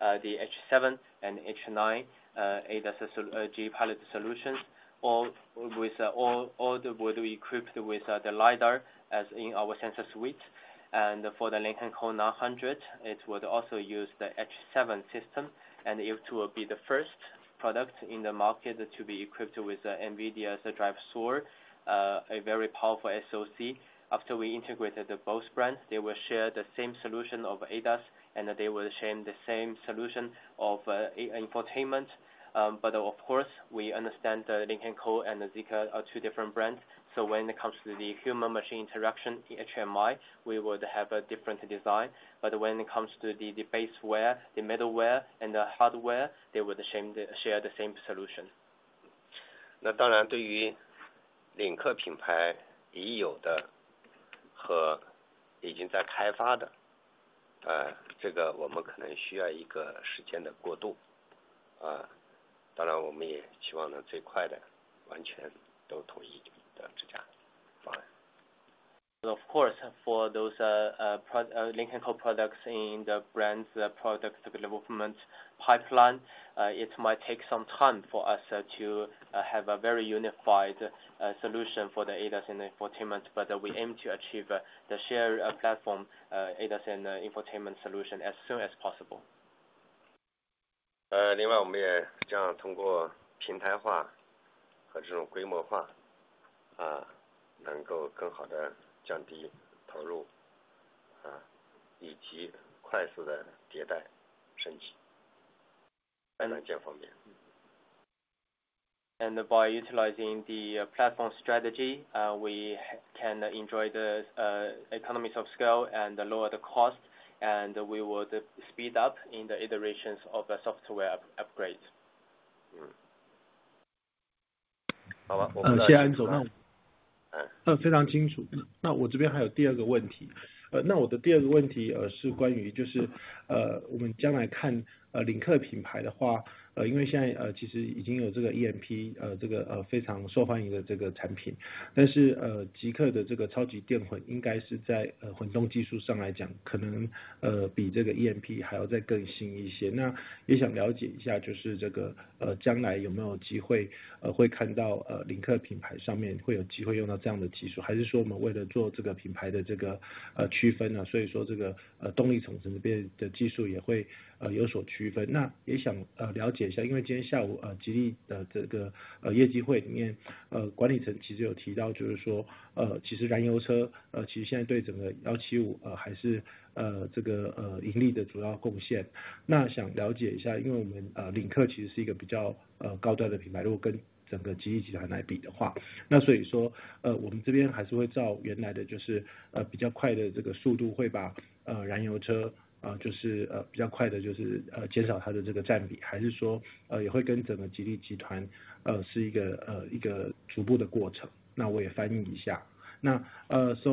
the H7 and H9 ADAS G-Pilot solutions, all with all would be equipped with the LiDAR as in our sensor suite. For the Lynk & Co 900, it would also use the H7 system, and it will be the first product in the market to be equipped with NVIDIA's DriveSoar, a very powerful SoC. After we integrated the both brands, they will share the same solution of ADAS, and they will share the same solution of infotainment. Of course, we understand the Lynk & Co and Zeekr are two different brands, so when it comes to the human-machine interaction in we would have a different design. When it comes to the baseware, the middleware, and the hardware, they would share the same solution. But Zeekr's super electric hybrid should be even more advanced in hybrid technology compared to EMP. I would like to understand whether in the future there is a chance that we will see the Lynk & Co brand using this technology, or if, for the sake of brand differentiation, the powertrain technology will also be differentiated. I would also like to understand, because in Geely's results meeting this afternoon, management mentioned that ICE vehicles are still the main contributor to the overall 175. Since Lynk & Co is a relatively high-end brand compared to the whole Geely Group, will we continue to reduce the proportion of ICE vehicles at a relatively fast pace, or will it be a gradual process in line with the whole Geely Group? I will also translate.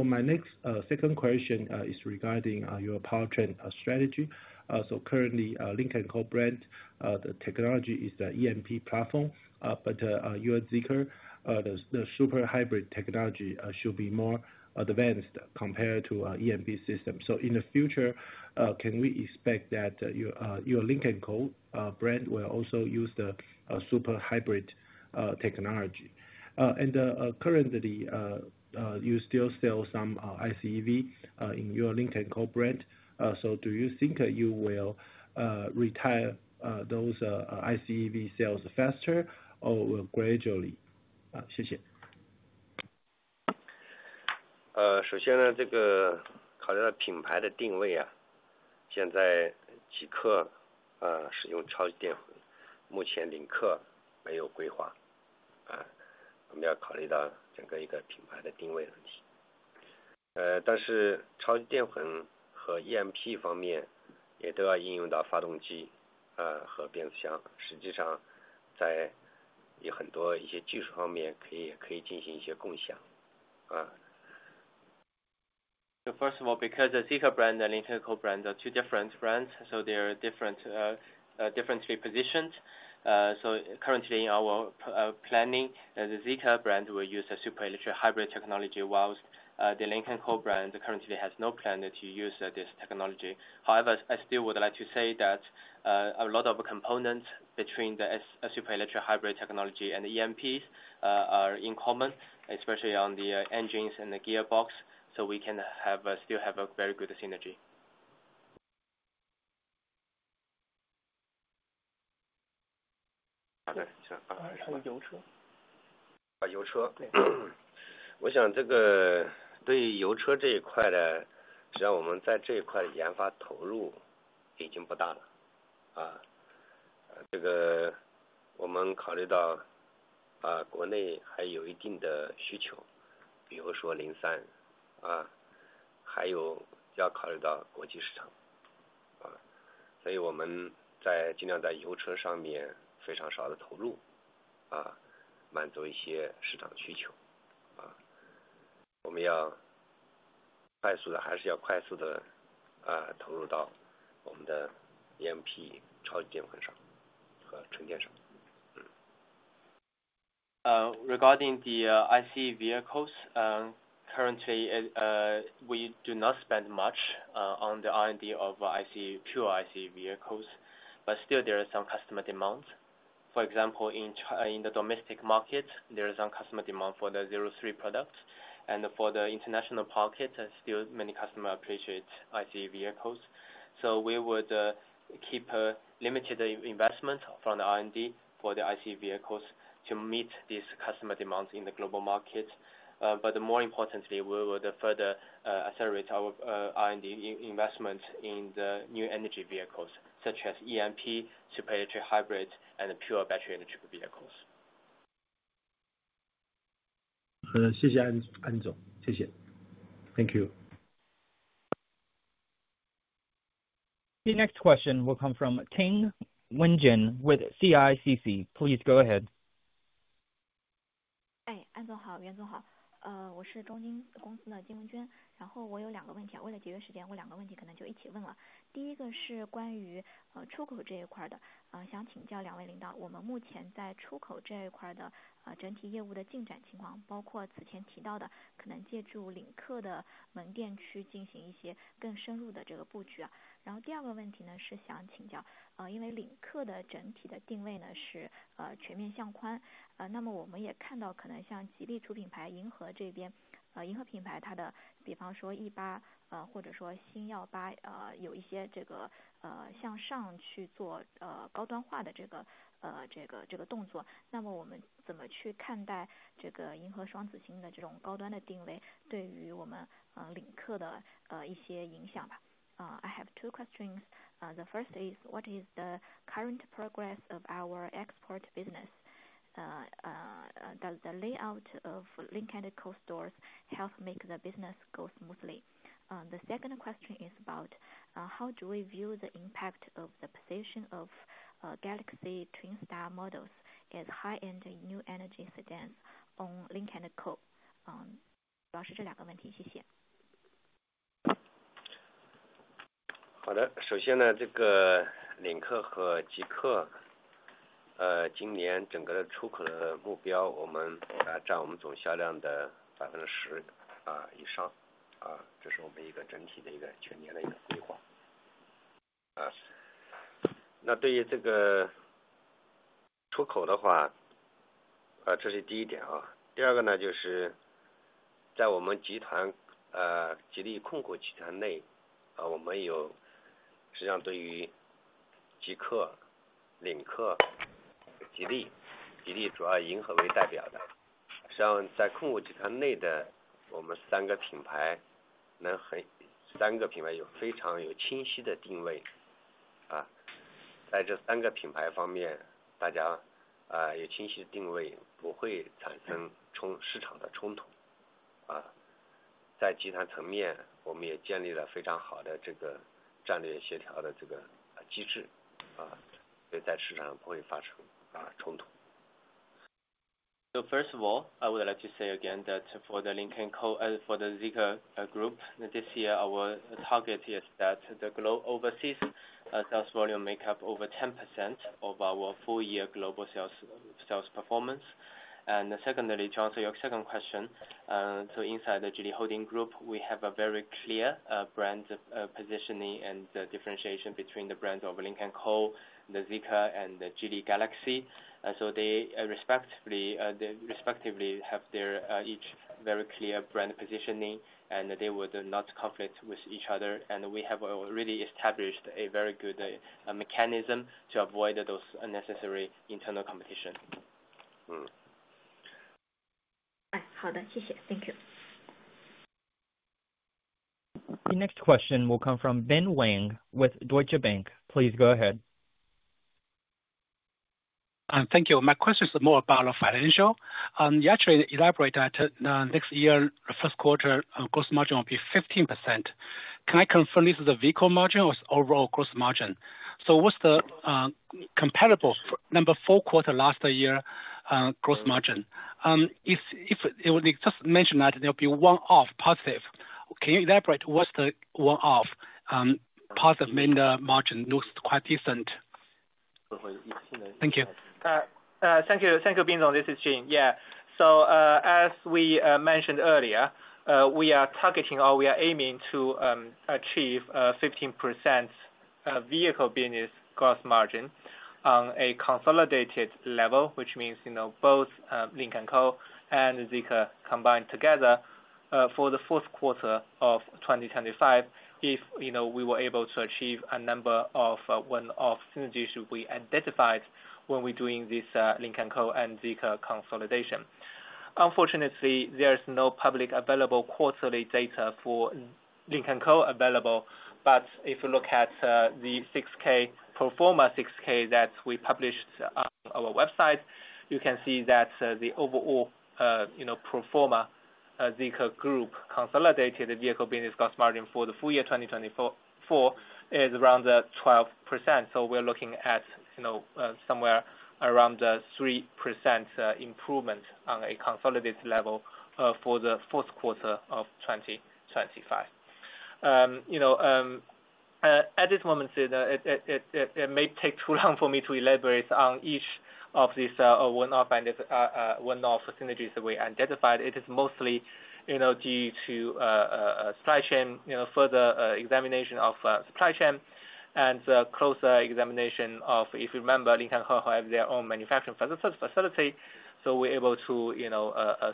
My next second question is regarding your powertrain strategy. Currently, Lynk & Co brand technology is the EMP platform, but your Zeekr super hybrid technology should be more advanced compared to the EMP system. In the future, can we expect that your Lynk & Co brand will also use the super hybrid technology? Currently you still sell some ICEV in your Lynk & Co brand, do you think you will retire those ICEV sales faster or gradually? First of all, because Zeekr brand and Lynk & Co brand are two different brands, they are differently positioned. Currently in our planning, the Zeekr brand will use the super electric hybrid technology, whilst the Lynk & Co brand currently has no plan to use this technology. However, I still would like to say that a lot of components between the super electric hybrid technology and EMPs are in common, especially on the engines and the gearbox, so we can still have a very good synergy. 好的，请说。油车。油车。我想对于油车这一块的，只要我们在这一块的研发投入已经不大了。我们考虑到国内还有一定的需求，比如说零散，还有要考虑到国际市场。所以我们尽量在油车上面非常少的投入，满足一些市场需求。我们要快速的，还是要快速的投入到我们的 EMP 超级电混上和纯电上。Regarding the ICE vehicles, currently we do not spend much on the R&D of pure ICE vehicles, but still there are some customer demands. For example, in the domestic market, there is some customer demand for the Zero Three product, and for the international market, still many customers appreciate ICE vehicles. We would keep limited investment from the R&D for the ICE vehicles to meet these customer demands in the global market. More importantly, we would further accelerate our R&D investment in the new energy vehicles, such as EMP, super electric hybrid, and pure battery electric vehicles. 好的，谢谢安总。谢谢。Thank you. The next question will come from Ting Wenjin with CICC. Please go ahead. 哎，安总好，袁总好。我是中金公司的金文娟，然后我有两个问题。为了节约时间，我两个问题可能就一起问了。第一个是关于出口这一块的，想请教两位领导，我们目前在出口这一块的整体业务的进展情况，包括此前提到的，可能借助领克的门店去进行一些更深入的布局。然后第二个问题是想请教，因为领克的整体的定位是全面向宽，那么我们也看到可能像吉利出品牌银河这边，银河品牌它的，比方说E8或者说新耀8，有一些向上去做高端化的动作。那么我们怎么去看待银河双子星的这种高端的定位，对于我们领克的一些影响吧。I have two questions. The first is, what is the current progress of our export business? Does the layout of Lynk & Co stores help make the business go smoothly? The second question is about, how do we view the impact of the position of Galaxy Twin Star models as high-end new energy sedans on Lynk & Co? First of all, I would like to say again that for the Zeekr Group, this year our target is that the global overseas sales volume make up over 10% of our full-year global sales performance. Secondly, to answer your second question, inside the Geely Holding Group, we have a very clear brand positioning and differentiation between the brands of Lynk & Co, Zeekr, and the Geely Galaxy. They respectively have their each very clear brand positioning, and they would not conflict with each other. We have already established a very good mechanism to avoid those unnecessary internal competition. 好的，谢谢。Thank you. The next question will come from Ben Wang with Deutsche Bank. Please go ahead. Thank you. My question is more about financial. You actually elaborated that next year, the first quarter, gross margin will be 15%.Can I confirm this is a vehicle margin or overall gross margin? What's the comparable number for quarter last year gross margin? If you just mentioned that there will be one-off positive, can you elaborate what's the one-off positive margin? Looks quite decent. Thank you. Thank you, Ben Zong. This is Jin. Yeah. As we mentioned earlier, we are targeting or we are aiming to achieve 15% vehicle business gross margin on a consolidated level, which means both Lynk & Co and Zeekr combined together for the fourth quarter of 2025, if we were able to achieve a number of one-off synergies we identified when we were doing this Lynk & Co and Zeekr consolidation. Unfortunately, there is no publicly available quarterly data for Lynk & Co available, but if you look at the 6K Performer 6K that we published on our website, you can see that the overall Performer Zeekr Group consolidated vehicle business gross margin for the full year 2024 is around 12%. We are looking at somewhere around 3% improvement on a consolidated level for the fourth quarter of 2025. At this moment, it may take too long for me to elaborate on each of these one-off synergies that we identified. It is mostly due to further examination of supply chain and closer examination of, if you remember, Lynk & Co have their own manufacturing facility. We are able to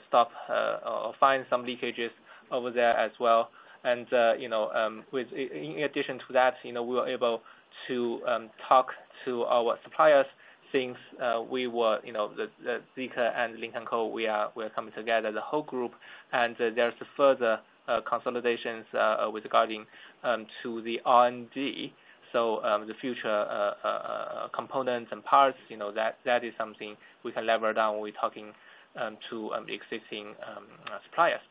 stop or find some leakages over there as well. In addition to that, we were able to talk to our suppliers since we were Zeekr and Lynk & Co, we are coming together as a whole group. There is further consolidation with regard to the R&D. The future components and parts, that is something we can lever down when we're talking to existing suppliers.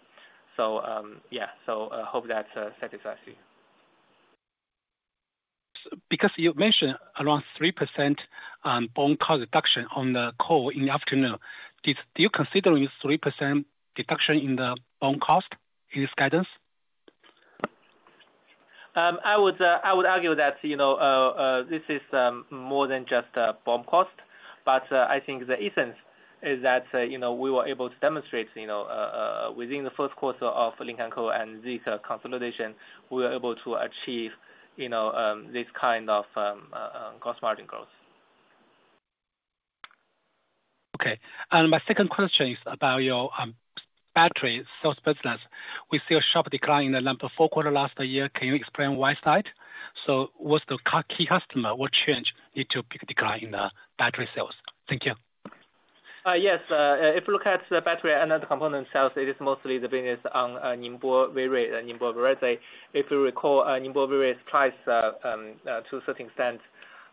I hope that satisfies you. Because you mentioned around 3% bone cost deduction on the call in the afternoon, do you consider 3% deduction in the bone cost in this guidance? I would argue that this is more than just bone cost, but I think the essence is that we were able to demonstrate within the first quarter of Lynk & Co and Zeekr consolidation, we were able to achieve this kind of gross margin growth. Okay. My second question is about your battery sales business. We see a sharp decline in the number fourth quarter last year. Can you explain why side? What's the key customer? What change led to a big decline in battery sales? Thank you. Yes. If you look at the battery and the component sales, it is mostly the business on Ningbo Virey. Ningbo Virey, if you recall, Ningbo Virey supplies to a certain extent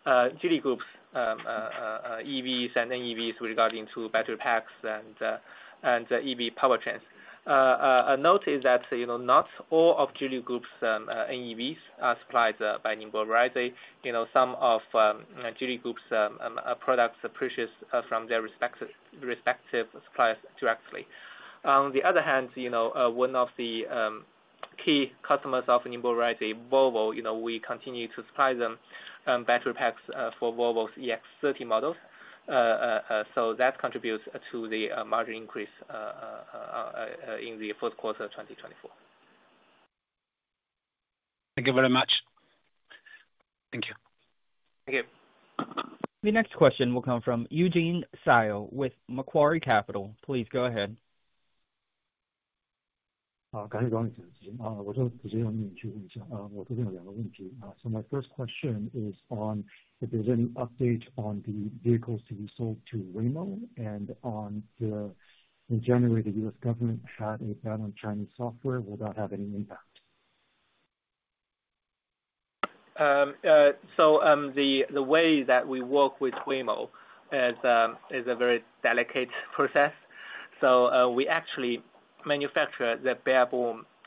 Geely Group's EVs and NEVs with regarding to battery packs and EV powertrains. A note is that not all of Geely Group's NEVs are supplied by Ningbo Virey. Some of Geely Group's products are purchased from their respective suppliers directly. On the other hand, one of the key customers of Ningbo Virey, Volvo, we continue to supply them battery packs for Volvo's EX30 models. That contributes to the margin increase in the fourth quarter of 2024. Thank you very much. Thank you. T The next question will come from Eugene Sile with Macquarie Capital. Please go ahead. 感谢庄先生。我这边有几件问题去问一下。我这边有两个问题。My first question is on if there's any update on the vehicles to be sold to Waymo and on in January the U.S. government had a ban on Chinese software. Will that have any impact? The way that we work with Waymo is a very delicate process. We actually manufacture the bare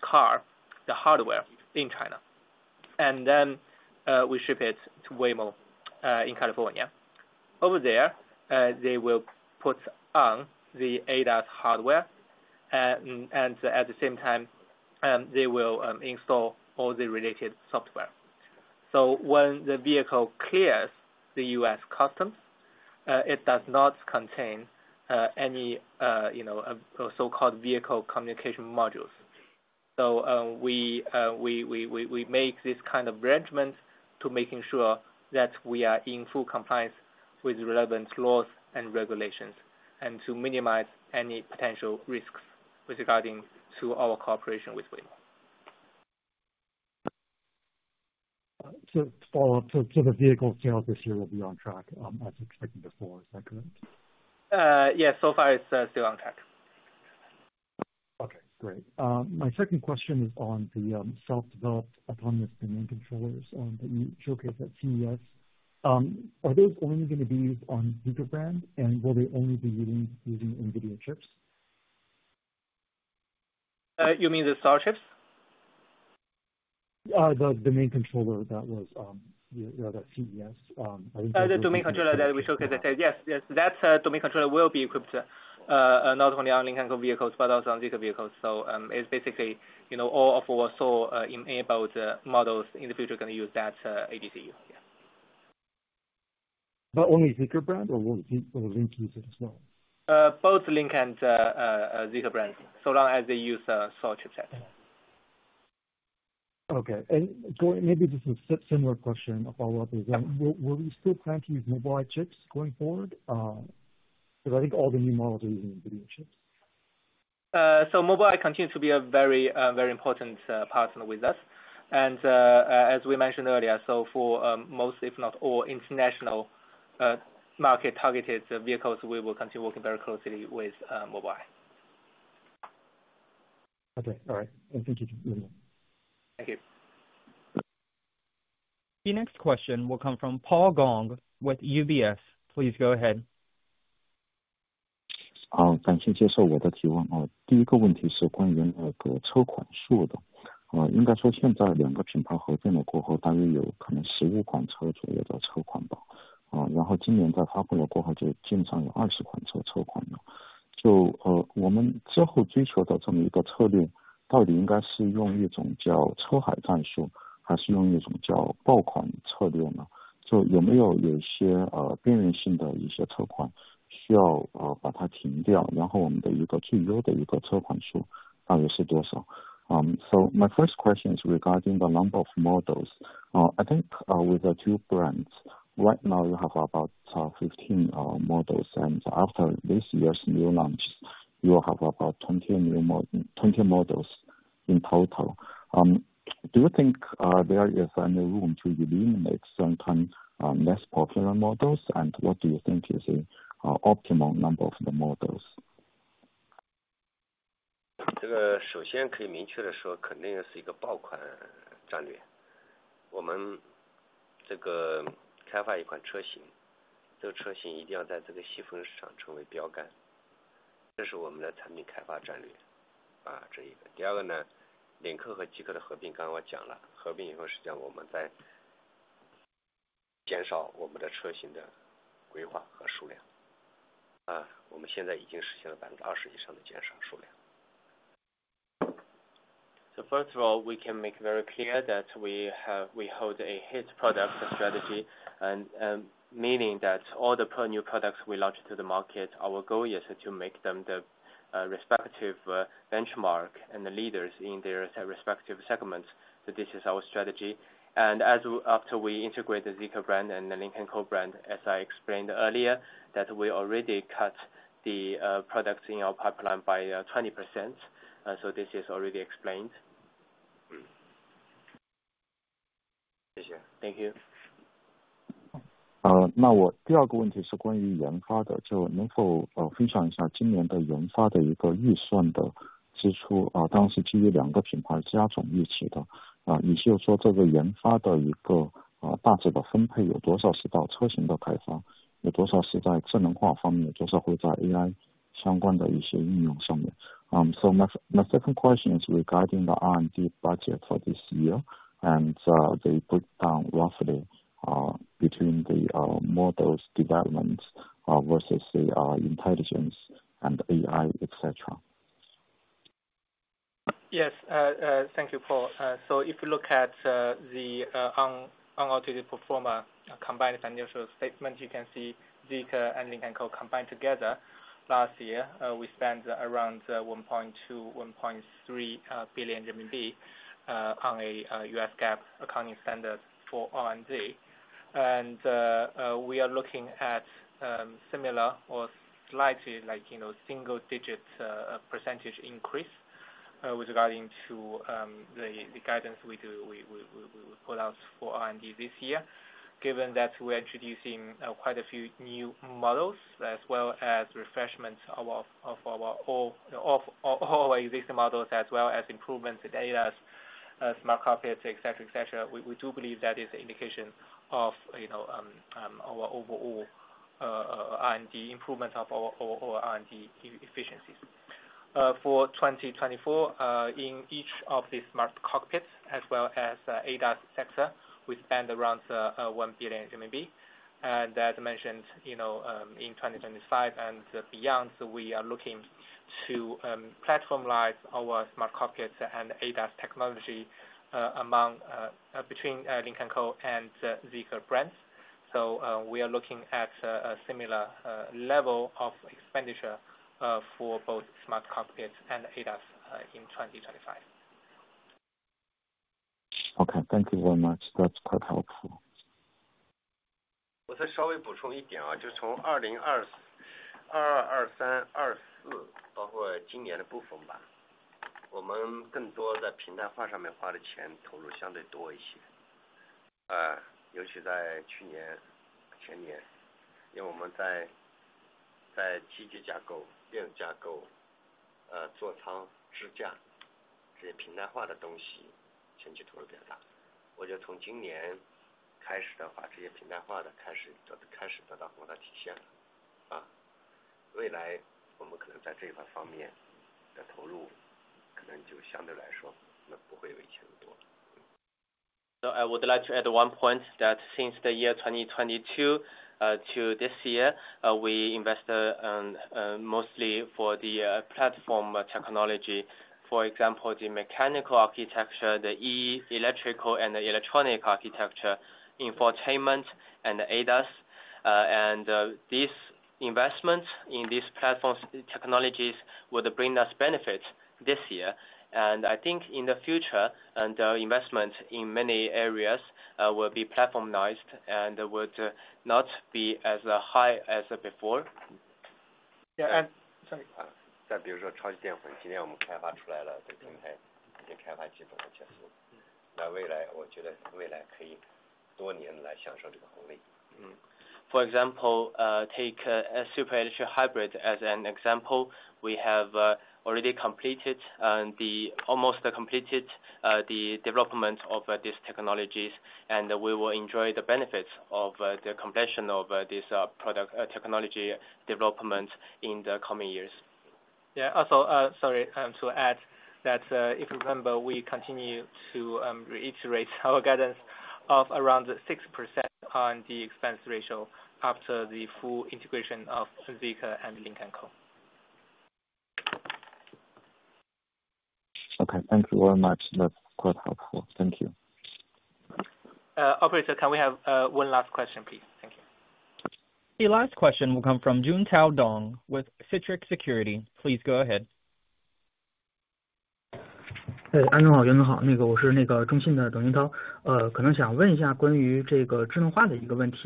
car, the hardware in China, and then we ship it to Waymo in California. Over there, they will put on the ADAS hardware, and at the same time, they will install all the related software. When the vehicle clears the U.S. customs, it does not contain any so-called vehicle communication modules. We make this arrangement to make sure that we are in full compliance with relevant laws and regulations and to minimize any potential risks regarding our cooperation with Waymo. To follow up, the vehicle sales this year will be on track as expected before. Is that correct? Yes. So far, it's still on track. Okay. Great. My second question is on the self-developed autonomous command controllers that you showcased at CES. Are those only going to be used on Zeekr brand, and will they only be using NVIDIA chips? You mean the Star chips? The domain controller that was at CES. The domain controller that we showcased at CES. Yes. Yes. That domain controller will be equipped not only on Lynk & Co vehicles but also on Zeekr vehicles. It's basically all of our SOLE-enabled models in the future are going to use that ADCU. Yeah. Only Zeekr brand or will it be Lynk & Co as well? Both Lynk and Zeekr brands so long as they use SOLE chipset. Okay. Maybe just a similar question to follow up is, will we still plan to use Mobileye chips going forward? Because I think all the new models are using NVIDIA chips. Mobileye continues to be a very, very important partner with us. As we mentioned earlier, for most, if not all, international market targeted vehicles, we will continue working very closely with Mobileye. Okay. All right. Thank you for letting me. Thank you. The next question will come from Paul Gong with UBS. Please go ahead. 感谢接受我的提问。第一个问题是关于那个车款数的。应该说现在两个品牌合并了过后，大约有可能15款车左右的车款吧。然后今年在发布了过后，就基本上有20款车车款了。就我们之后追求的这么一个策略，到底应该是用一种叫车海战术，还是用一种叫爆款策略呢？就有没有有些边缘性的一些车款需要把它停掉，然后我们的一个最优的一个车款数大约是多少？ My first question is regarding the number of models. I think with the two brands, right now you have about 15 models, and after this year's new launch, you will have about 20 models in total. Do you think there is any room to eliminate some kind of less popular models, and what do you think is the optimal number of the models? 这个首先可以明确地说，肯定是一个爆款战略。我们这个开发一款车型，这个车型一定要在这个细分市场成为标杆。这是我们的产品开发战略。这一个。第二个呢，领克和极客的合并，刚刚我讲了，合并以后实际上我们在减少我们的车型的规划和数量。我们现在已经实现了20%以上的减少数量。First of all, we can make very clear that we hold a hit product strategy, meaning that all the new products we launch to the market, our goal is to make them the respective benchmark and the leaders in their respective segments. This is our strategy. After we integrate the Zeekr brand and the Lynk & Co brand, as I explained earlier, we already cut the products in our pipeline by 20%. This is already explained. 谢谢。Thank you. My second question is regarding the R&D budget for this year, and they break down roughly between the models development versus the intelligence and AI, etc. Yes. Thank you, Paul. If you look at the unaltered Performer combined financial statement, you can see Zeekr and Lynk & Co combined together last year, we spent around 1.2-1.3 billion RMB on a US GAAP accounting standard for R&D. We are looking at similar or slightly single-digit % increase with regarding to the guidance we will put out for R&D this year. Given that we're introducing quite a few new models as well as refreshments of our existing models, as well as improvements in ADAS, smart cockpits, etc., we do believe that is an indication of our overall R&D improvement of our R&D efficiencies. For 2024, in each of the smart cockpits as well as ADAS sector, we spend around 1 billion RMB. As mentioned, in 2025 and beyond, we are looking to platformize our smart cockpits and ADAS technology between Lynk & Co and Zeekr brands. We are looking at a similar level of expenditure for both smart cockpits and ADAS in 2025. Okay. Thank you very much. That's quite helpful. I would like to add one point that since the year 2022 to this year, we invested mostly for the platform technology, for example, the mechanical architecture, the electrical and electronic architecture, infotainment, and ADAS. This investment in these platform technologies will bring us benefits this year. I think in the future, the investment in many areas will be platformized and would not be as high as before. Operator, can we have one last question, please? Thank you. The last question will come from Jun Tao Dong with CICC. Please go ahead. Hi, An Conghui, hi, Yuan Jing. I am Dong Juntao from CICC. I would like to ask a question about intelligence.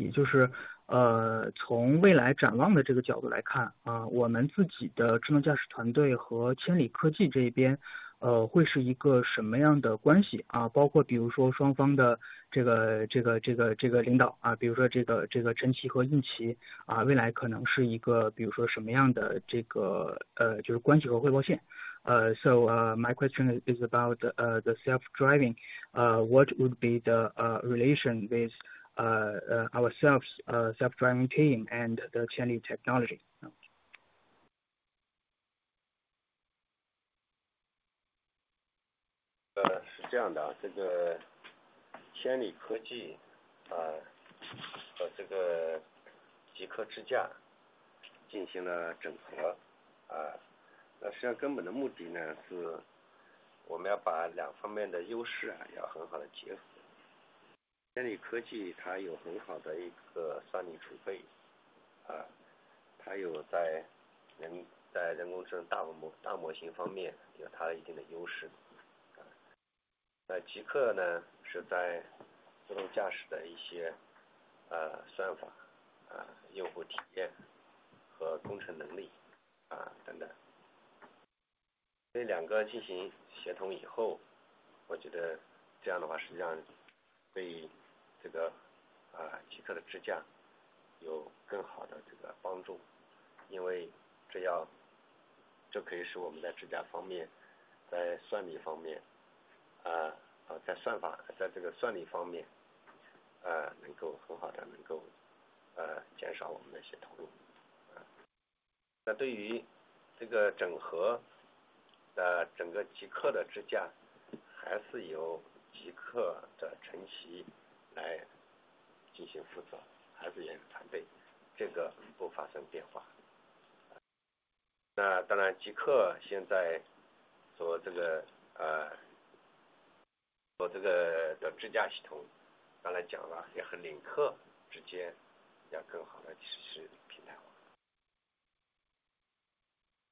From the perspective of future outlook, what will be the relationship between our own self-driving team and Qianli Technology, including, for example, the leadership of both sides, such as Chen Qi and Yin Qi? What kind of relationship and reporting line might there be in the future? The integration of Qianli Technology and Zeekr's ZID has been carried out. The fundamental purpose is to combine the advantages of both sides well. Qianli Technology has a strong computing power reserve and certain advantages in AI large models. Zeekr has strengths in autonomous driving algorithms, user experience, and engineering capabilities. After the collaboration of these two, I think this will actually help Zeekr's ZID better, because it can help us reduce some of our investment in ZID, in computing power, and in algorithms. For the integrated Zeekr ZID, it is still led by Zeekr's Chen Qi and the original team, and this does not change. Of course, the ZID system that Zeekr is now working on, as mentioned earlier, will also be better implemented in a platform-based way with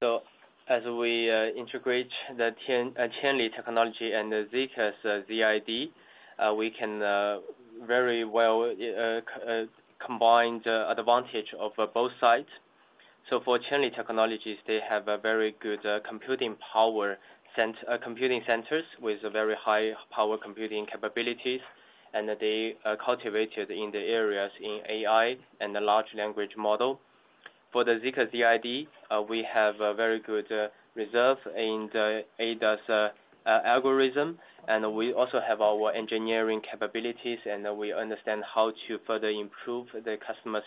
Lynk & Co. As we integrate the Qianli Technology and Zeekr's ZID, we can very well combine the advantage of both sides. For Chen Li Technologies, they have a very good computing power, computing centers with very high power computing capabilities, and they are cultivated in the areas in AI and large language model. For the Zeekr ZID, we have a very good reserve in the ADAS algorithm, and we also have our engineering capabilities, and we understand how to further improve the customer's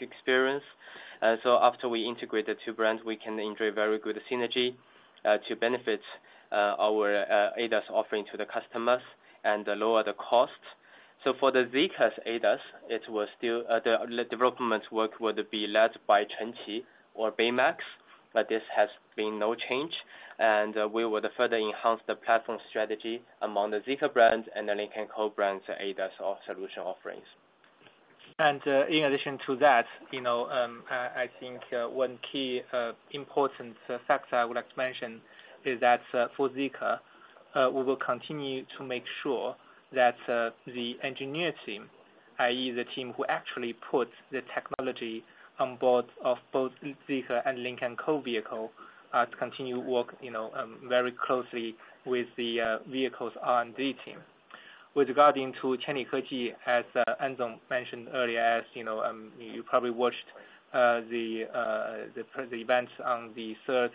experience. After we integrate the two brands, we can enjoy very good synergy to benefit our ADAS offering to the customers and lower the cost. For Zeekr's ADAS, the development work will be led by Chen Qi or Baymax, but this has been no change, and we will further enhance the platform strategy among the Zeekr brand and the Lynk & Co brand's ADAS solution offerings. In addition to that, I think one key important factor I would like to mention is that for Zeekr, we will continue to make sure that the engineer team, i.e., the team who actually puts the technology on board of both Zeekr and Lynk & Co vehicle, continue working very closely with the vehicle's R&D team. With regarding to Chen Li technology, as An Conghui mentioned earlier, as you probably watched the event on the 3rd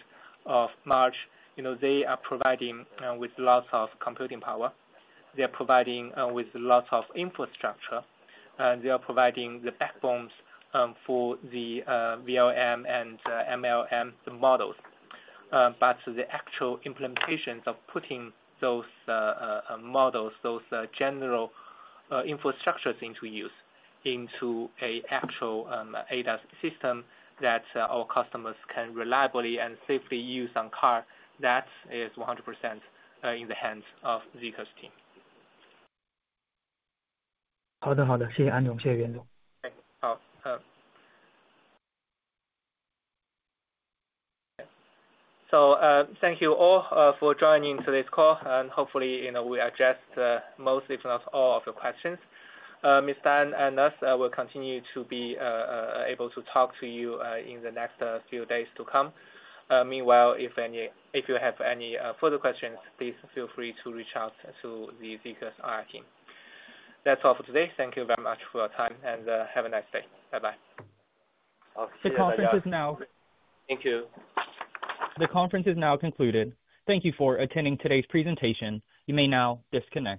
of March, they are providing with lots of computing power. They are providing with lots of infrastructure. They are providing the backbones for the VLM and MLM models. The actual implementations of putting those models, those general infrastructures into use, into an actual ADAS system that our customers can reliably and safely use on car, that is 100% in the hands of Zeekr's team. 好的，好的。谢谢安总，谢谢袁总。Thank you all for joining today's call, and hopefully we addressed most, if not all, of your questions. Ms. Tan and us will continue to be able to talk to you in the next few days to come. Meanwhile, if you have any further questions, please feel free to reach out to Zeekr's R&D team. That's all for today. Thank you very much for your time, and have a nice day. Bye-bye. 好，谢谢大家。The conference is now concluded. Thank you for attending today's presentation. You may now disconnect.